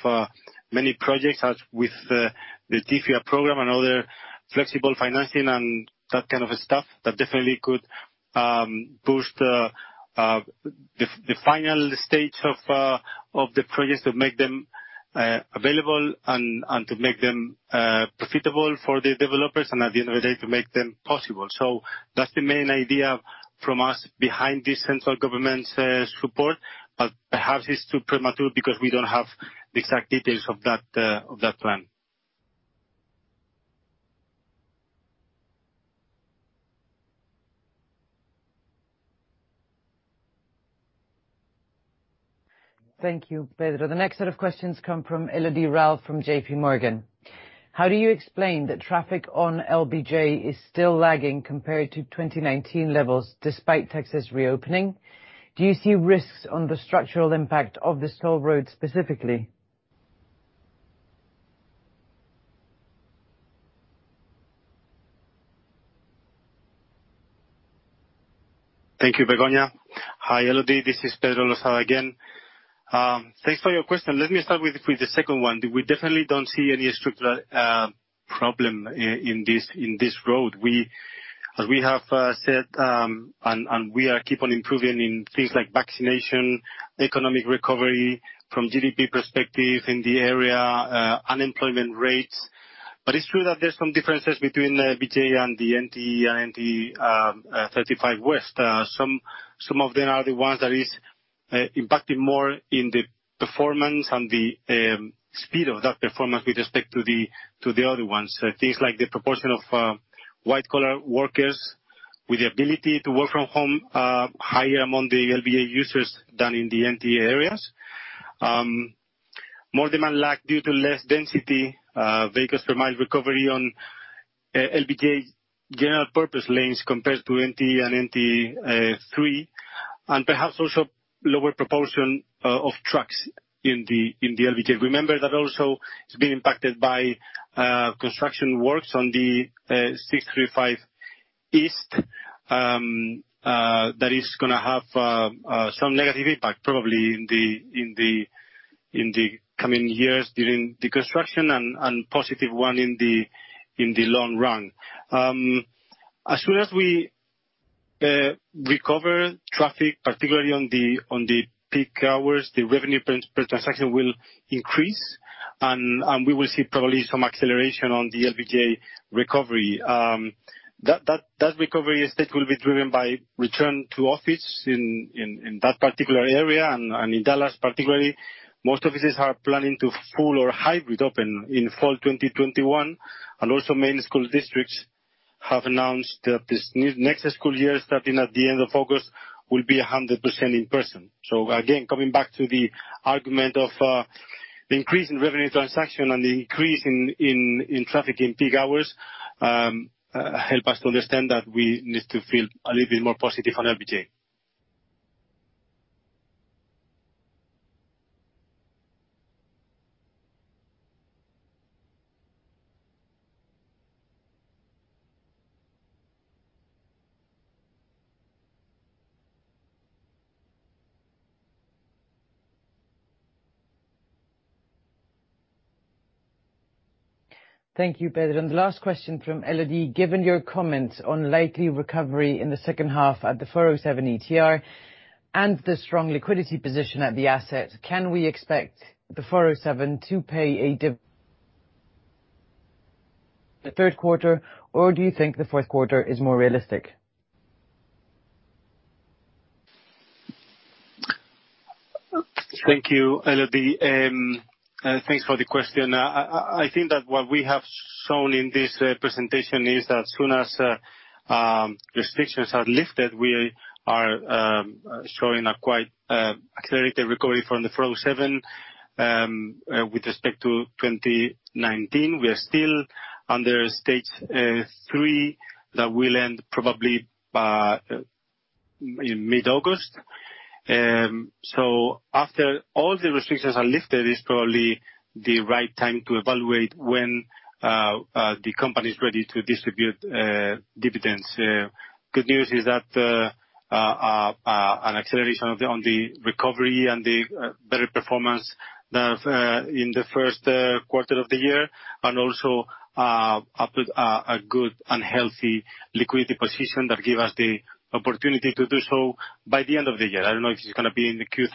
Speaker 3: many projects, as with the TIFIA program and other flexible financing and that kind of stuff that definitely could boost the final stage of the projects to make them available and to make them profitable for the developers and, at the end of the day, to make them possible. That's the main idea from us behind the central government's support. Perhaps it's too premature because we don't have the exact details of that plan.
Speaker 1: Thank you, Pedro. The next set of questions come from Elodie Rall from JPMorgan. How do you explain that traffic on LBJ is still lagging compared to 2019 levels despite Texas reopening? Do you see risks on the structural impact of this toll road specifically?
Speaker 3: Thank you, Begoña. Hi, Elodie, this is Pedro Losada again. Thanks for your question. Let me start with the second one. We definitely don't see any structural problem in this road. As we have said, and we keep on improving in things like vaccination, economic recovery from GDP perspective in the area, unemployment rates. It's true that there's some differences between LBJ and the NTE 35W. Some of them are the ones that is impacting more in the performance and the speed of that performance with respect to the other ones. Things like the proportion of white-collar workers with the ability to work from home are higher among the LBJ users than in the NTE areas. More demand lag due to less density, vehicles per mile recovery on LBJ general purpose lanes compared to NTE and NTE 3, and perhaps also lower proportion of trucks in the LBJ. Remember that also it's been impacted by construction works on the 635 East, that is going to have some negative impact probably in the coming years during the construction, and positive one in the long run. As soon as we recover traffic, particularly on the peak hours, the revenue per transaction will increase, and we will see probably some acceleration on the LBJ recovery. That recovery estate will be driven by return to office in that particular area, and in Dallas particularly. Most offices are planning to full or hybrid open in fall 2021, and also many school districts have announced that this next school year starting at the end of August will be 100% in person. Again, coming back to the argument of the increase in revenue transaction and the increase in traffic in peak hours help us to understand that we need to feel a little bit more positive on LBJ.
Speaker 1: Thank you, Pedro. The last question from Elodie. Given your comments on likely recovery in the second half at the 407 ETR and the strong liquidity position at the asset, can we expect the 407 to pay a dividend in the third quarter, or do you think the fourth quarter is more realistic?
Speaker 3: Thank you, Elodie. Thanks for the question. I think that what we have shown in this presentation is that as soon as restrictions are lifted, we are showing quite a clarity recovery from the 407 with respect to 2019. We are still under stage three, that will end probably by mid-August. After all the restrictions are lifted, it's probably the right time to evaluate when the company is ready to distribute dividends. Good news is that an acceleration on the recovery and the better performance in the first quarter of the year, and also a good and healthy liquidity position that give us the opportunity to do so by the end of the year. I don't know if it's going to be in the Q3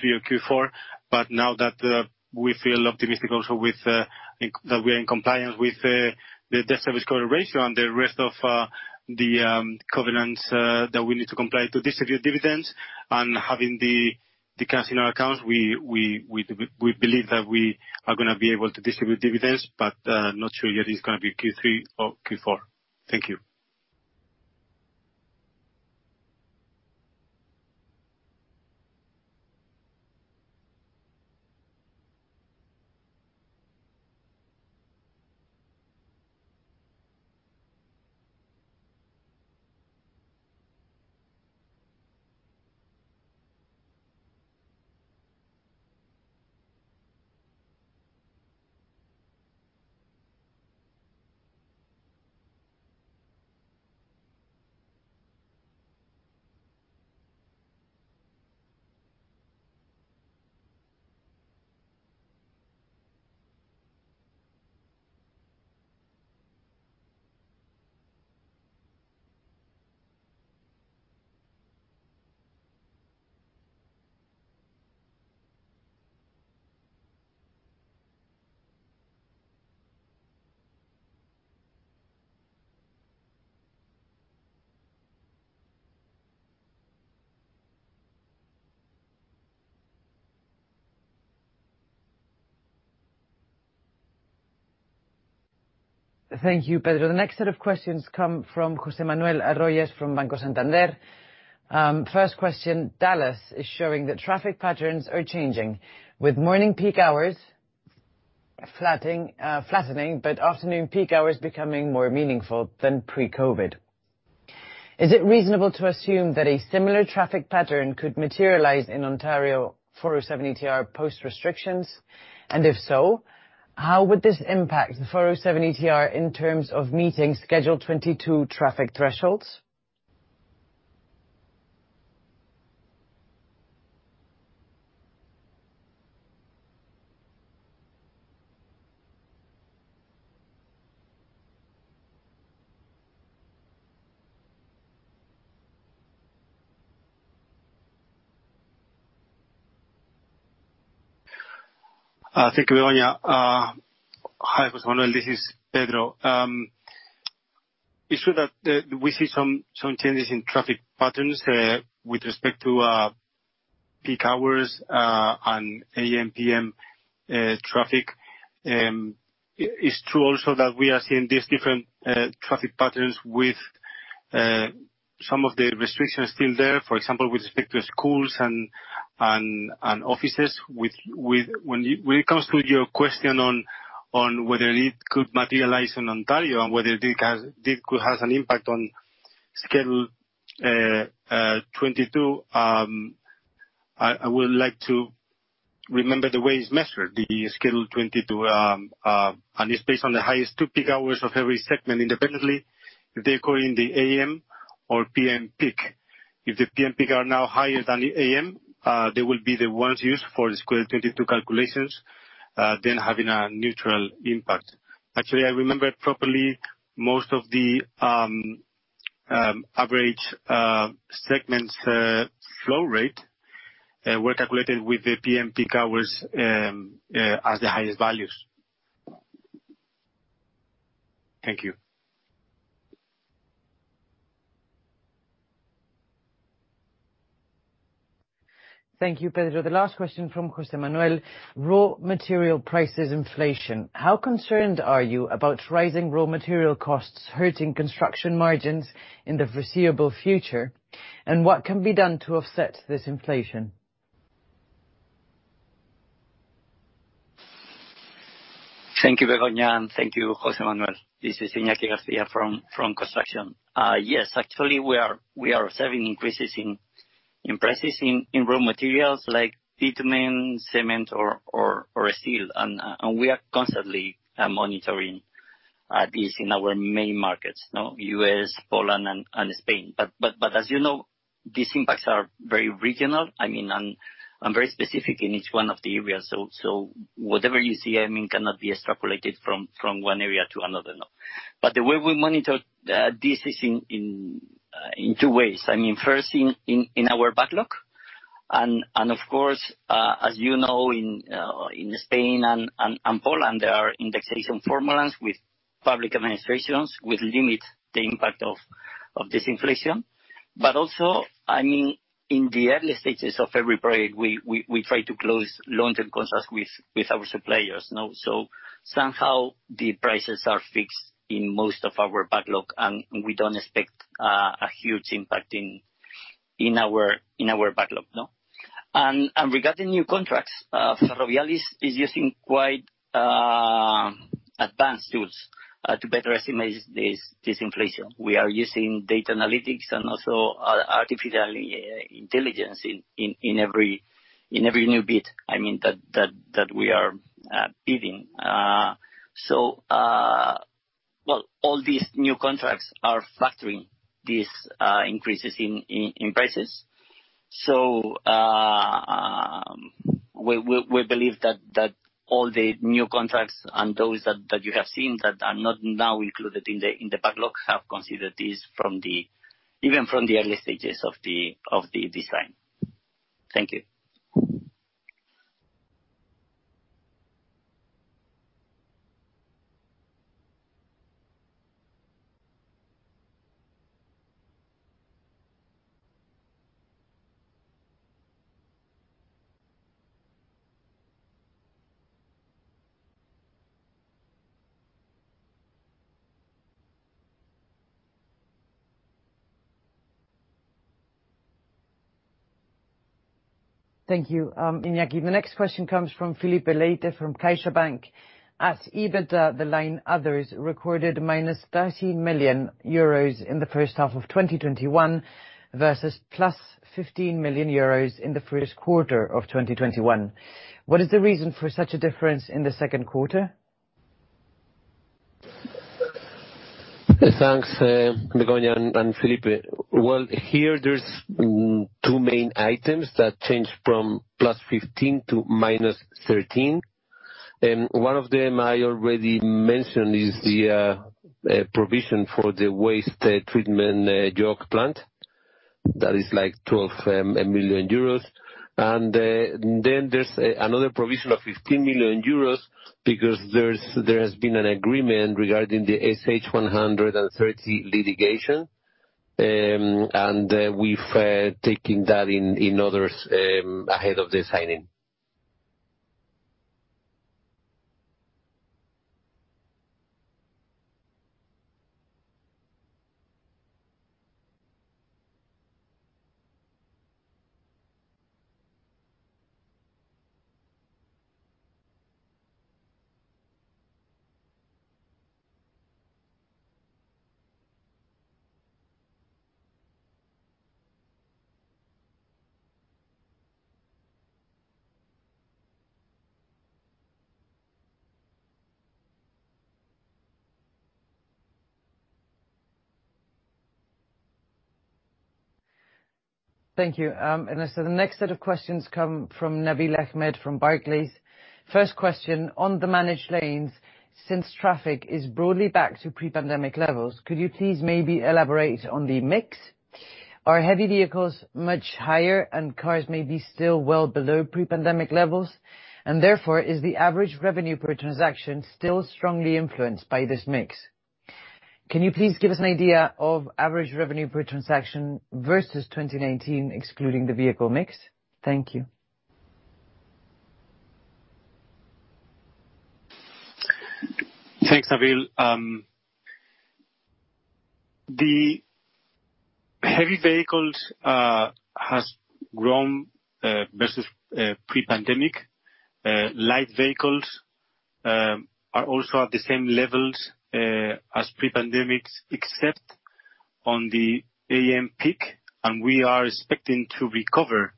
Speaker 3: or Q4, but now that we feel optimistic also that we are in compliance with the debt service cover ratio and the rest of the covenants that we need to comply to distribute dividends, and having the cash in our accounts, we believe that we are going to be able to distribute dividends, but not sure yet if it's going to be Q3 or Q4. Thank you.
Speaker 1: Thank you, Pedro. The next set of questions come from José Manuel Arroyo from Banco Santander. First question, Dallas is showing that traffic patterns are changing, with morning peak hours flattening, but afternoon peak hours becoming more meaningful than pre-COVID. Is it reasonable to assume that a similar traffic pattern could materialize in Ontario 407 ETR post-restrictions? If so, how would this impact the 407 ETR in terms of meeting Schedule 22 traffic thresholds?
Speaker 3: Thank you, Begoña. Hi, José Manuel, this is Pedro. It's true that we see some changes in traffic patterns with respect to peak hours and A.M./P.M. traffic. It's true also that we are seeing these different traffic patterns with some of the restrictions still there, for example, with respect to schools and offices. When it comes to your question on whether it could materialize in Ontario and whether this has an impact on Schedule 22, I would like to remember the way it's measured, the Schedule 22, and it's based on the highest two peak hours of every segment independently, if they occur in the A.M. or P.M. Peak. If the P.M. Peak are now higher than the A.M., they will be the ones used for the Schedule 22 calculations, then having a neutral impact. Actually, if I remember properly, most of the average segments flow rate were calculated with the P.M. Peak hours as the highest values. Thank you.
Speaker 1: Thank you, Pedro. The last question from José Manuel. Raw material prices inflation. How concerned are you about rising raw material costs hurting construction margins in the foreseeable future, and what can be done to offset this inflation?
Speaker 4: Thank you, Begoña, and thank you, Jose Manuel. This is Iñaki Garcia from construction. Yes, actually, we are observing increases in prices in raw materials like bitumen, cement, or steel, and we are constantly monitoring this in our main markets. U.S., Poland, and Spain. As you know, these impacts are very regional and very specific in each one of the areas. Whatever you see cannot be extrapolated from one area to another. The way we monitor this is in two ways. First, in our backlog, and of course, as you know, in Spain and Poland, there are indexation formulas with public administrations, which limit the impact of this inflation. Also, in the early stages of every period, we try to close long-term contracts with our suppliers. Somehow the prices are fixed in most of our backlog, and we don't expect a huge impact in our backlog. Regarding new contracts, Ferrovial is using quite advanced tools to better estimate this inflation. We are using data analytics and also artificial intelligence in every new bid that we are bidding. All these new contracts are factoring these increases in prices. We believe that all the new contracts and those that you have seen that are not now included in the backlog, have considered this even from the early stages of the design. Thank you.
Speaker 1: Thank you, Iñaki. The next question comes from Filipe Leite from CaixaBank. At EBITDA, the line others recorded -13 million euros in the first half of 2021 versus +15 million euros in the first quarter of 2021. What is the reason for such a difference in the second quarter?
Speaker 2: Thanks, Begoña and Filipe. Here, there's two main items that change from +15 to -13. One of them I already mentioned is the provision for the waste treatment York plant, that is like 12 million euros. There's another provision of 15 million euros because there has been an agreement regarding the SH 130 litigation, and we've taken that in others ahead of the signing.
Speaker 1: Thank you, Ernesto. The next set of questions come from Nabil Ahmed from Barclays. First question, on the managed lanes, since traffic is broadly back to pre-pandemic levels, could you please maybe elaborate on the mix? Are heavy vehicles much higher and cars maybe still well below pre-pandemic levels, and therefore, is the average revenue per transaction still strongly influenced by this mix? Can you please give us an idea of average revenue per transaction versus 2019, excluding the vehicle mix? Thank you.
Speaker 3: Thanks, Nabil. The heavy vehicles has grown versus pre-pandemic. Light vehicles are also at the same levels as pre-pandemic, except on the A.M. peak, and we are expecting to recover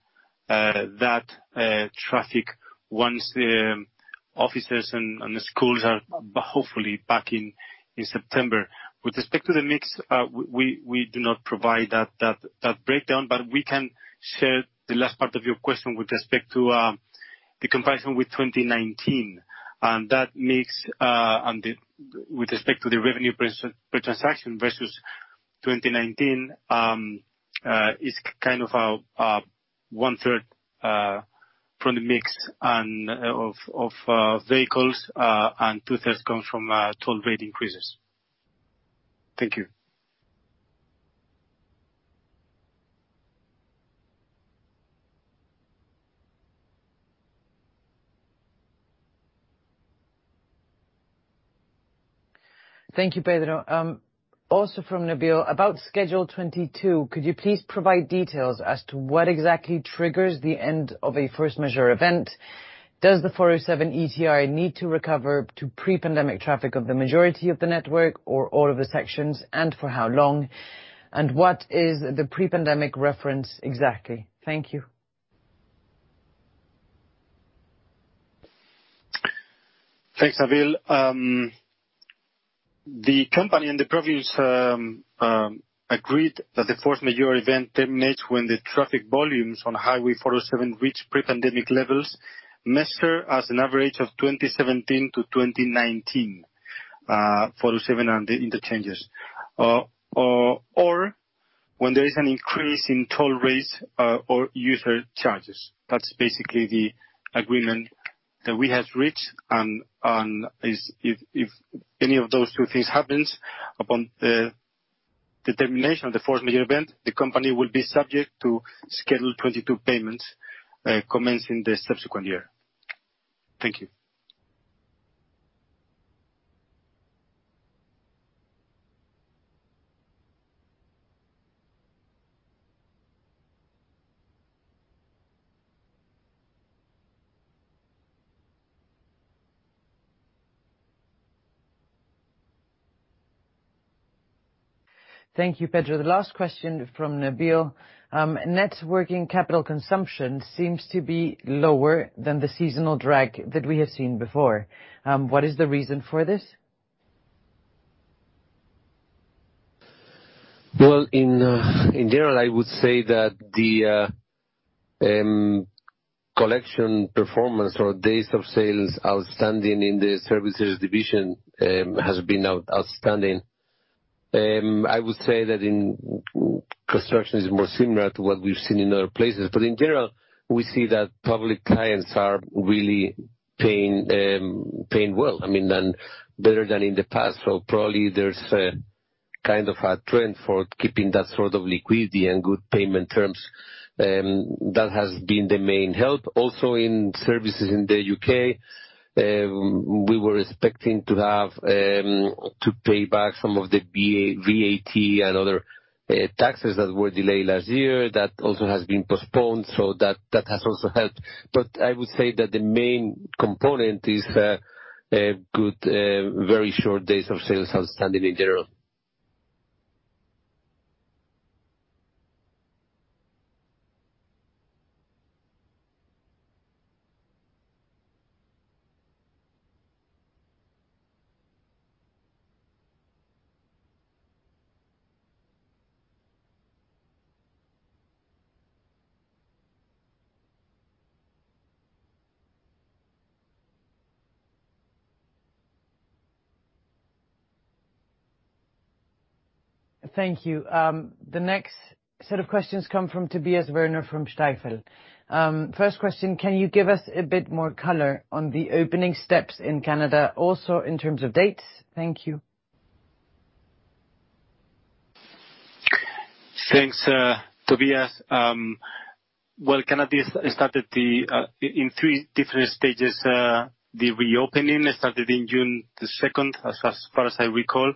Speaker 3: that traffic once offices and schools are hopefully back in September. With respect to the mix, we do not provide that breakdown, but we can share the last part of your question with respect to the comparison with 2019. That mix, with respect to the revenue per transaction versus 2019, is kind of 1/3 from the mix of vehicles, and 2/3 comes from toll rate increases. Thank you.
Speaker 1: Thank you, Pedro. From Nabil, about Schedule 22, could you please provide details as to what exactly triggers the end of a force majeure event? Does the 407 ETR need to recover to pre-pandemic traffic of the majority of the network or all of the sections, and for how long? And what is the pre-pandemic reference exactly? Thank you.
Speaker 3: Thanks, Nabil. The company and the province agreed that the force majeure event terminates when the traffic volumes on Highway 407 reach pre-pandemic levels, measured as an average of 2017 to 2019, 407 and the interchanges. When there is an increase in toll rates or user charges. That's basically the agreement that we have reached. If any of those two things happens upon the termination of the force majeure event, the company will be subject to Schedule 22 payments commencing the subsequent year. Thank you.
Speaker 1: Thank you, Pedro. The last question from Nabil. Net working capital consumption seems to be lower than the seasonal drag that we have seen before. What is the reason for this?
Speaker 2: Well, in general, I would say that the collection performance or days of sales outstanding in the Services division has been outstanding. I would say that in construction, it's more similar to what we've seen in other places. In general, we see that public clients are really paying well. Better than in the past. Probably there's a kind of a trend for keeping that sort of liquidity and good payment terms. That has been the main help. Also, in Services in the U.K., we were expecting to pay back some of the VAT and other taxes that were delayed last year. That also has been postponed, so that has also helped. I would say that the main component is a very short days of sales outstanding in general.
Speaker 1: Thank you. The next set of questions come from Tobias Woerner from Stifel. First question, can you give us a bit more color on the opening steps in Canada, also in terms of dates? Thank you.
Speaker 3: Thanks, Tobias. Canada started in three different stages. The reopening started on June 2nd, as far as I recall.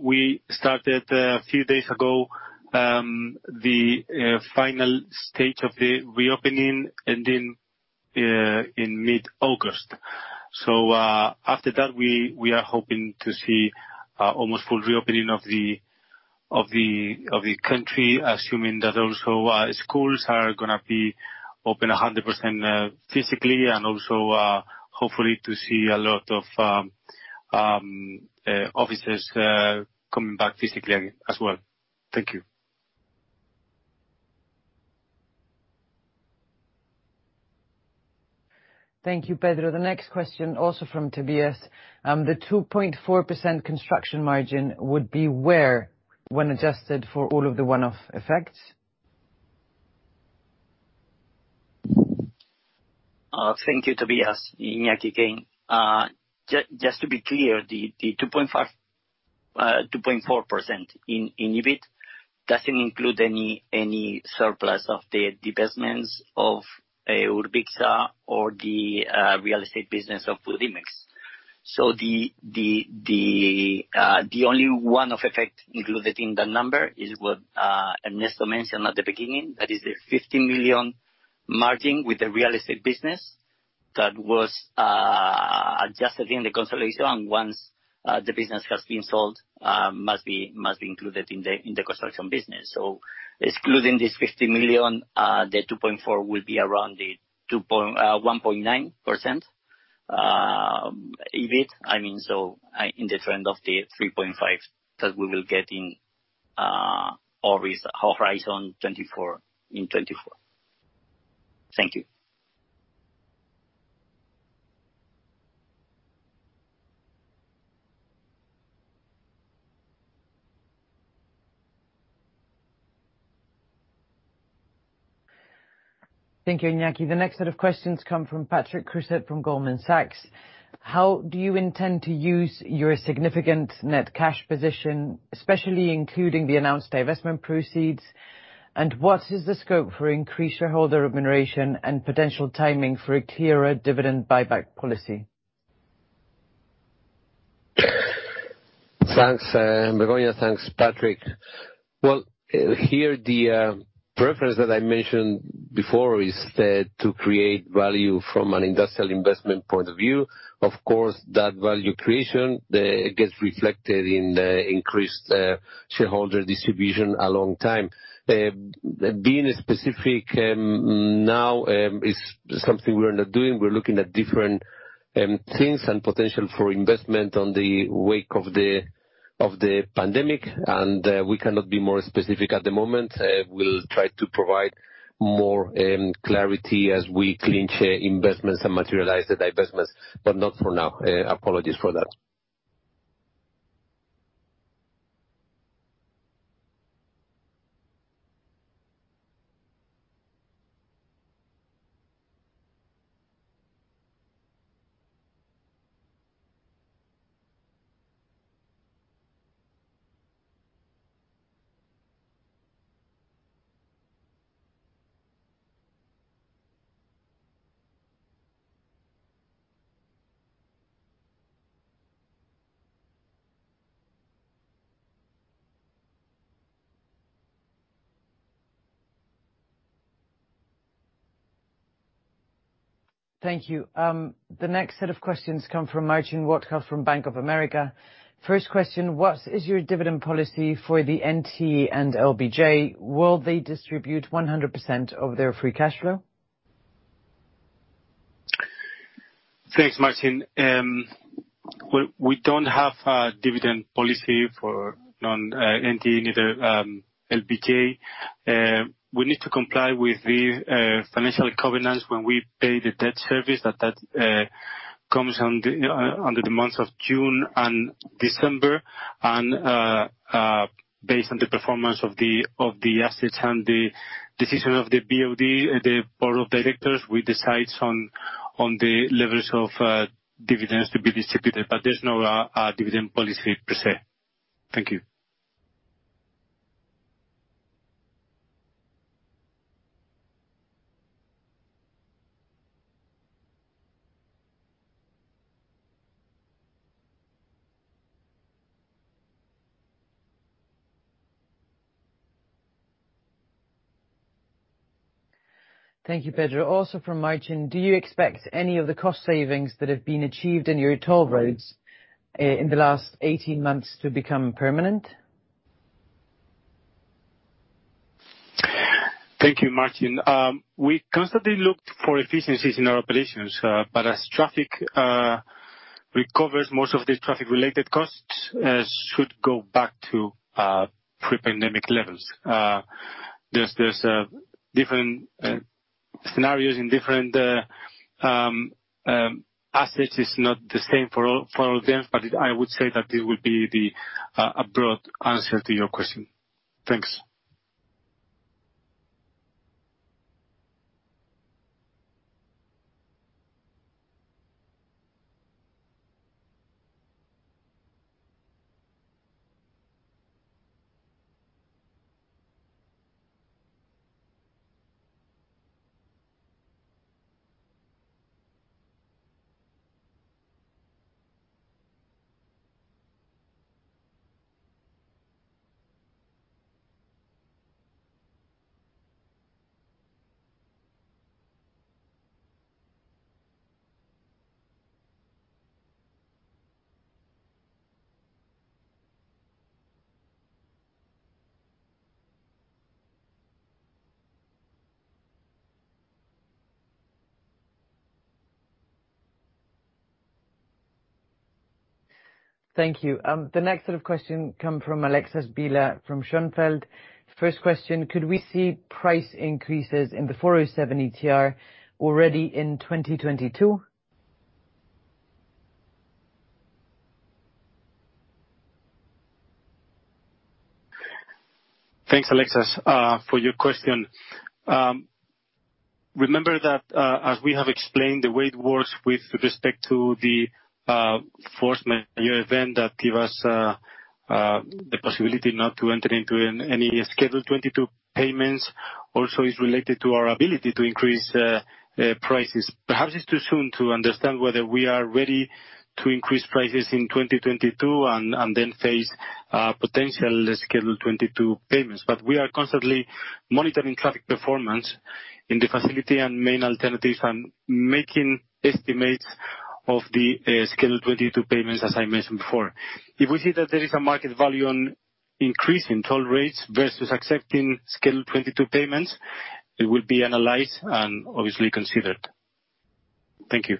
Speaker 3: We started a few days ago, the final stage of the reopening ending in mid-August. After that, we are hoping to see almost full reopening of the country, assuming that also schools are going to be open 100% physically and also hopefully to see a lot of offices coming back physically again as well. Thank you.
Speaker 1: Thank you, Pedro. The next question also from Tobias. The 2.4% construction margin would be where when adjusted for all of the one-off effects?
Speaker 4: Thank you, Tobias. Iñaki again. Just to be clear, the 2.4% in EBIT doesn't include any surplus of the divestments of Urbicsa or the real estate business of Budimex. The only one-off effect included in the number is what Ernesto mentioned at the beginning, that is the 50 million margin with the real estate business that was adjusted in the consolidation once the business has been sold must be included in the construction business. Excluding this 50 million, the 2.4% will be around the 1.9% EBIT. In the trend of the 3.5% that we will get in our Horizon 24. Thank you.
Speaker 1: Thank you, Iñaki. The next set of questions come from Patrick Creuset from Goldman Sachs. How do you intend to use your significant net cash position, especially including the announced divestment proceeds? What is the scope for increased shareholder remuneration and potential timing for a clearer dividend buyback policy?
Speaker 2: Thanks, Begoña. Thanks, Patrick. Here, the preference that I mentioned before is to create value from an industrial investment point of view. Of course, that value creation gets reflected in the increased shareholder distribution along time. Being specific now is something we're not doing. We're looking at different things and potential for investment on the wake of the pandemic, and we cannot be more specific at the moment. We'll try to provide more clarity as we clinch investments and materialize the divestments, but not for now. Apologies for that.
Speaker 1: Thank you. The next set of questions come from Marcin Wojtal from Bank of America. First question, what is your dividend policy for the NTE and LBJ? Will they distribute 100% of their free cash flow?
Speaker 3: Thanks, Marcin. We don't have a dividend policy for NTE, neither LBJ Express. We need to comply with the financial covenants when we pay the debt service that comes under the months of June and December. Based on the performance of the assets and the decision of the BOD, the board of directors, we decide on the levels of dividends to be distributed. There's no dividend policy per se. Thank you.
Speaker 1: Thank you, Pedro. Also from Marcin, do you expect any of the cost savings that have been achieved in your toll roads in the last 18 months to become permanent?
Speaker 3: Thank you, Marcin. We constantly looked for efficiencies in our operations. As traffic recovers, most of the traffic-related costs should go back to pre-pandemic levels. There's different scenarios in different assets. It's not the same for all of them, but I would say that this would be the broad answer to your question. Thanks.
Speaker 1: Thank you. The next set of questions come from [Alexis Biller] from Schonfeld. First question, could we see price increases in the 407 ETR already in 2022?
Speaker 3: Thanks, [Alexis], for your question. Remember that, as we have explained, the way it works with respect to the force majeure event that give us the possibility not to enter into any Schedule 22 payments also is related to our ability to increase prices. Perhaps it's too soon to understand whether we are ready to increase prices in 2022 and then face potential Schedule 22 payments. We are constantly monitoring traffic performance in the facility and main alternatives and making estimates of the Schedule 22 payments, as I mentioned before. If we see that there is a market value on increasing toll rates versus accepting Schedule 22 payments, it will be analyzed and obviously considered. Thank you.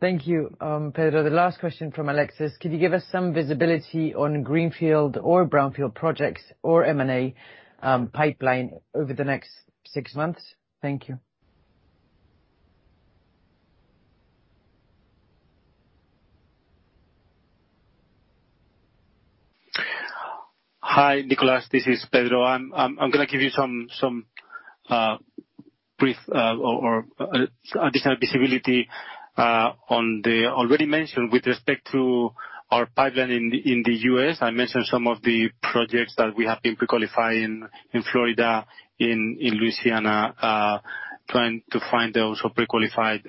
Speaker 1: Thank you, Pedro. The last question from [Alexis]. Could you give us some visibility on greenfield or brownfield projects or M&A pipeline over the next six months? Thank you.
Speaker 3: Hi, [Nicholas]. This is Pedro. I'm going to give you some brief or additional visibility on the already mentioned with respect to our pipeline in the U.S. I mentioned some of the projects that we have been pre-qualifying in Florida, in Louisiana, trying to find those who pre-qualified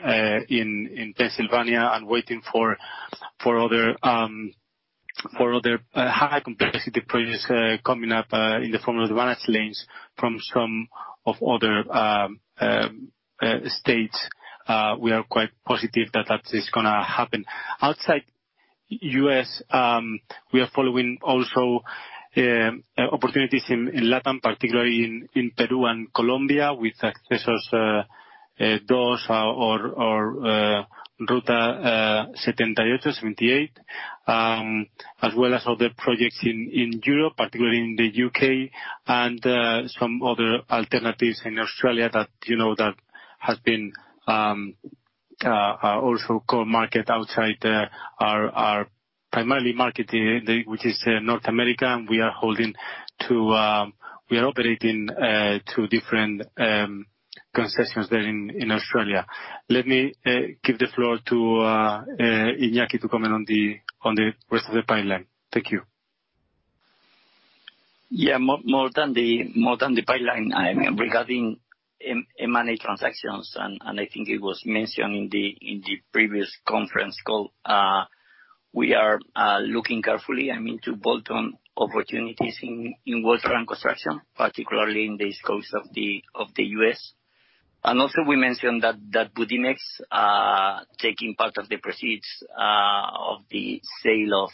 Speaker 3: in Pennsylvania and waiting for other high complexity projects coming up in the form of managed lanes from some other states, we are quite positive that is going to happen. Outside U.S., we are following also opportunities in Latin, particularly in Peru and Colombia with Accesos Norte or Ruta Setenta y Ocho, 78, as well as other projects in Europe, particularly in the U.K. and some other alternatives in Australia that has been also core market outside our primary market, which is North America, we are operating two different concessions there in Australia. Let me give the floor to Iñaki to comment on the rest of the pipeline. Thank you.
Speaker 4: Yeah. More than the pipeline, regarding M&A transactions, and I think it was mentioned in the previous conference call, we are looking carefully into bolt-on opportunities in water and construction, particularly in the East Coast of the U.S. Also we mentioned that Budimex, taking part of the proceeds of the sale of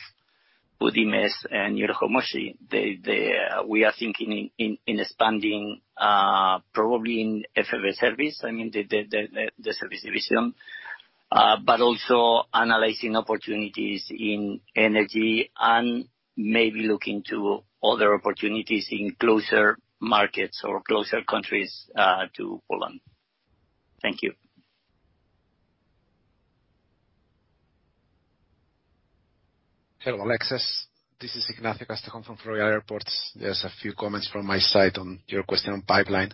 Speaker 4: Budimex and FBSerwis, we are thinking in expanding, probably in Ferrovial Services, I mean, the Services division, but also analyzing opportunities in energy and maybe looking to other opportunities in closer markets or closer countries to Poland. Thank you.
Speaker 5: Hello, Alexis. This is Ignacio Castejón from Ferrovial Airports. Just a few comments from my side on your question on pipeline.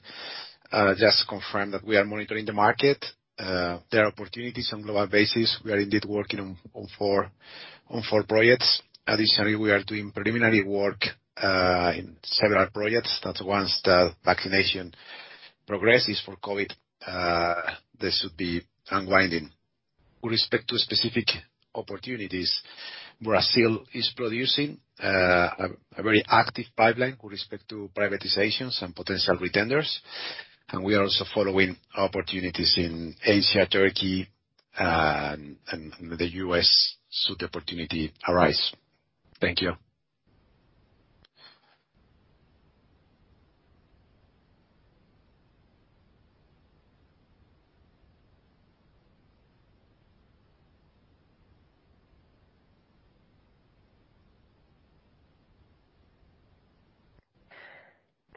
Speaker 5: Just to confirm that we are monitoring the market. There are opportunities on global basis. We are indeed working on four projects. Additionally, we are doing preliminary work in several projects that once the vaccination progresses for COVID-19, they should be unwinding. With respect to specific opportunities, Brazil is producing a very active pipeline with respect to privatizations and potential retenders, and we are also following opportunities in Asia, Turkey, and the U.S. should the opportunity arise. Thank you.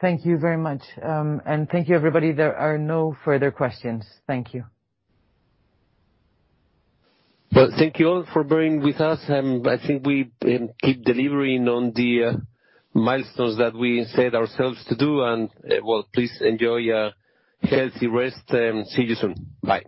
Speaker 1: Thank you very much. Thank you, everybody. There are no further questions. Thank you.
Speaker 2: Well, thank you all for bearing with us, and I think we keep delivering on the milestones that we set ourselves to do. Well, please enjoy a healthy rest, and see you soon. Bye.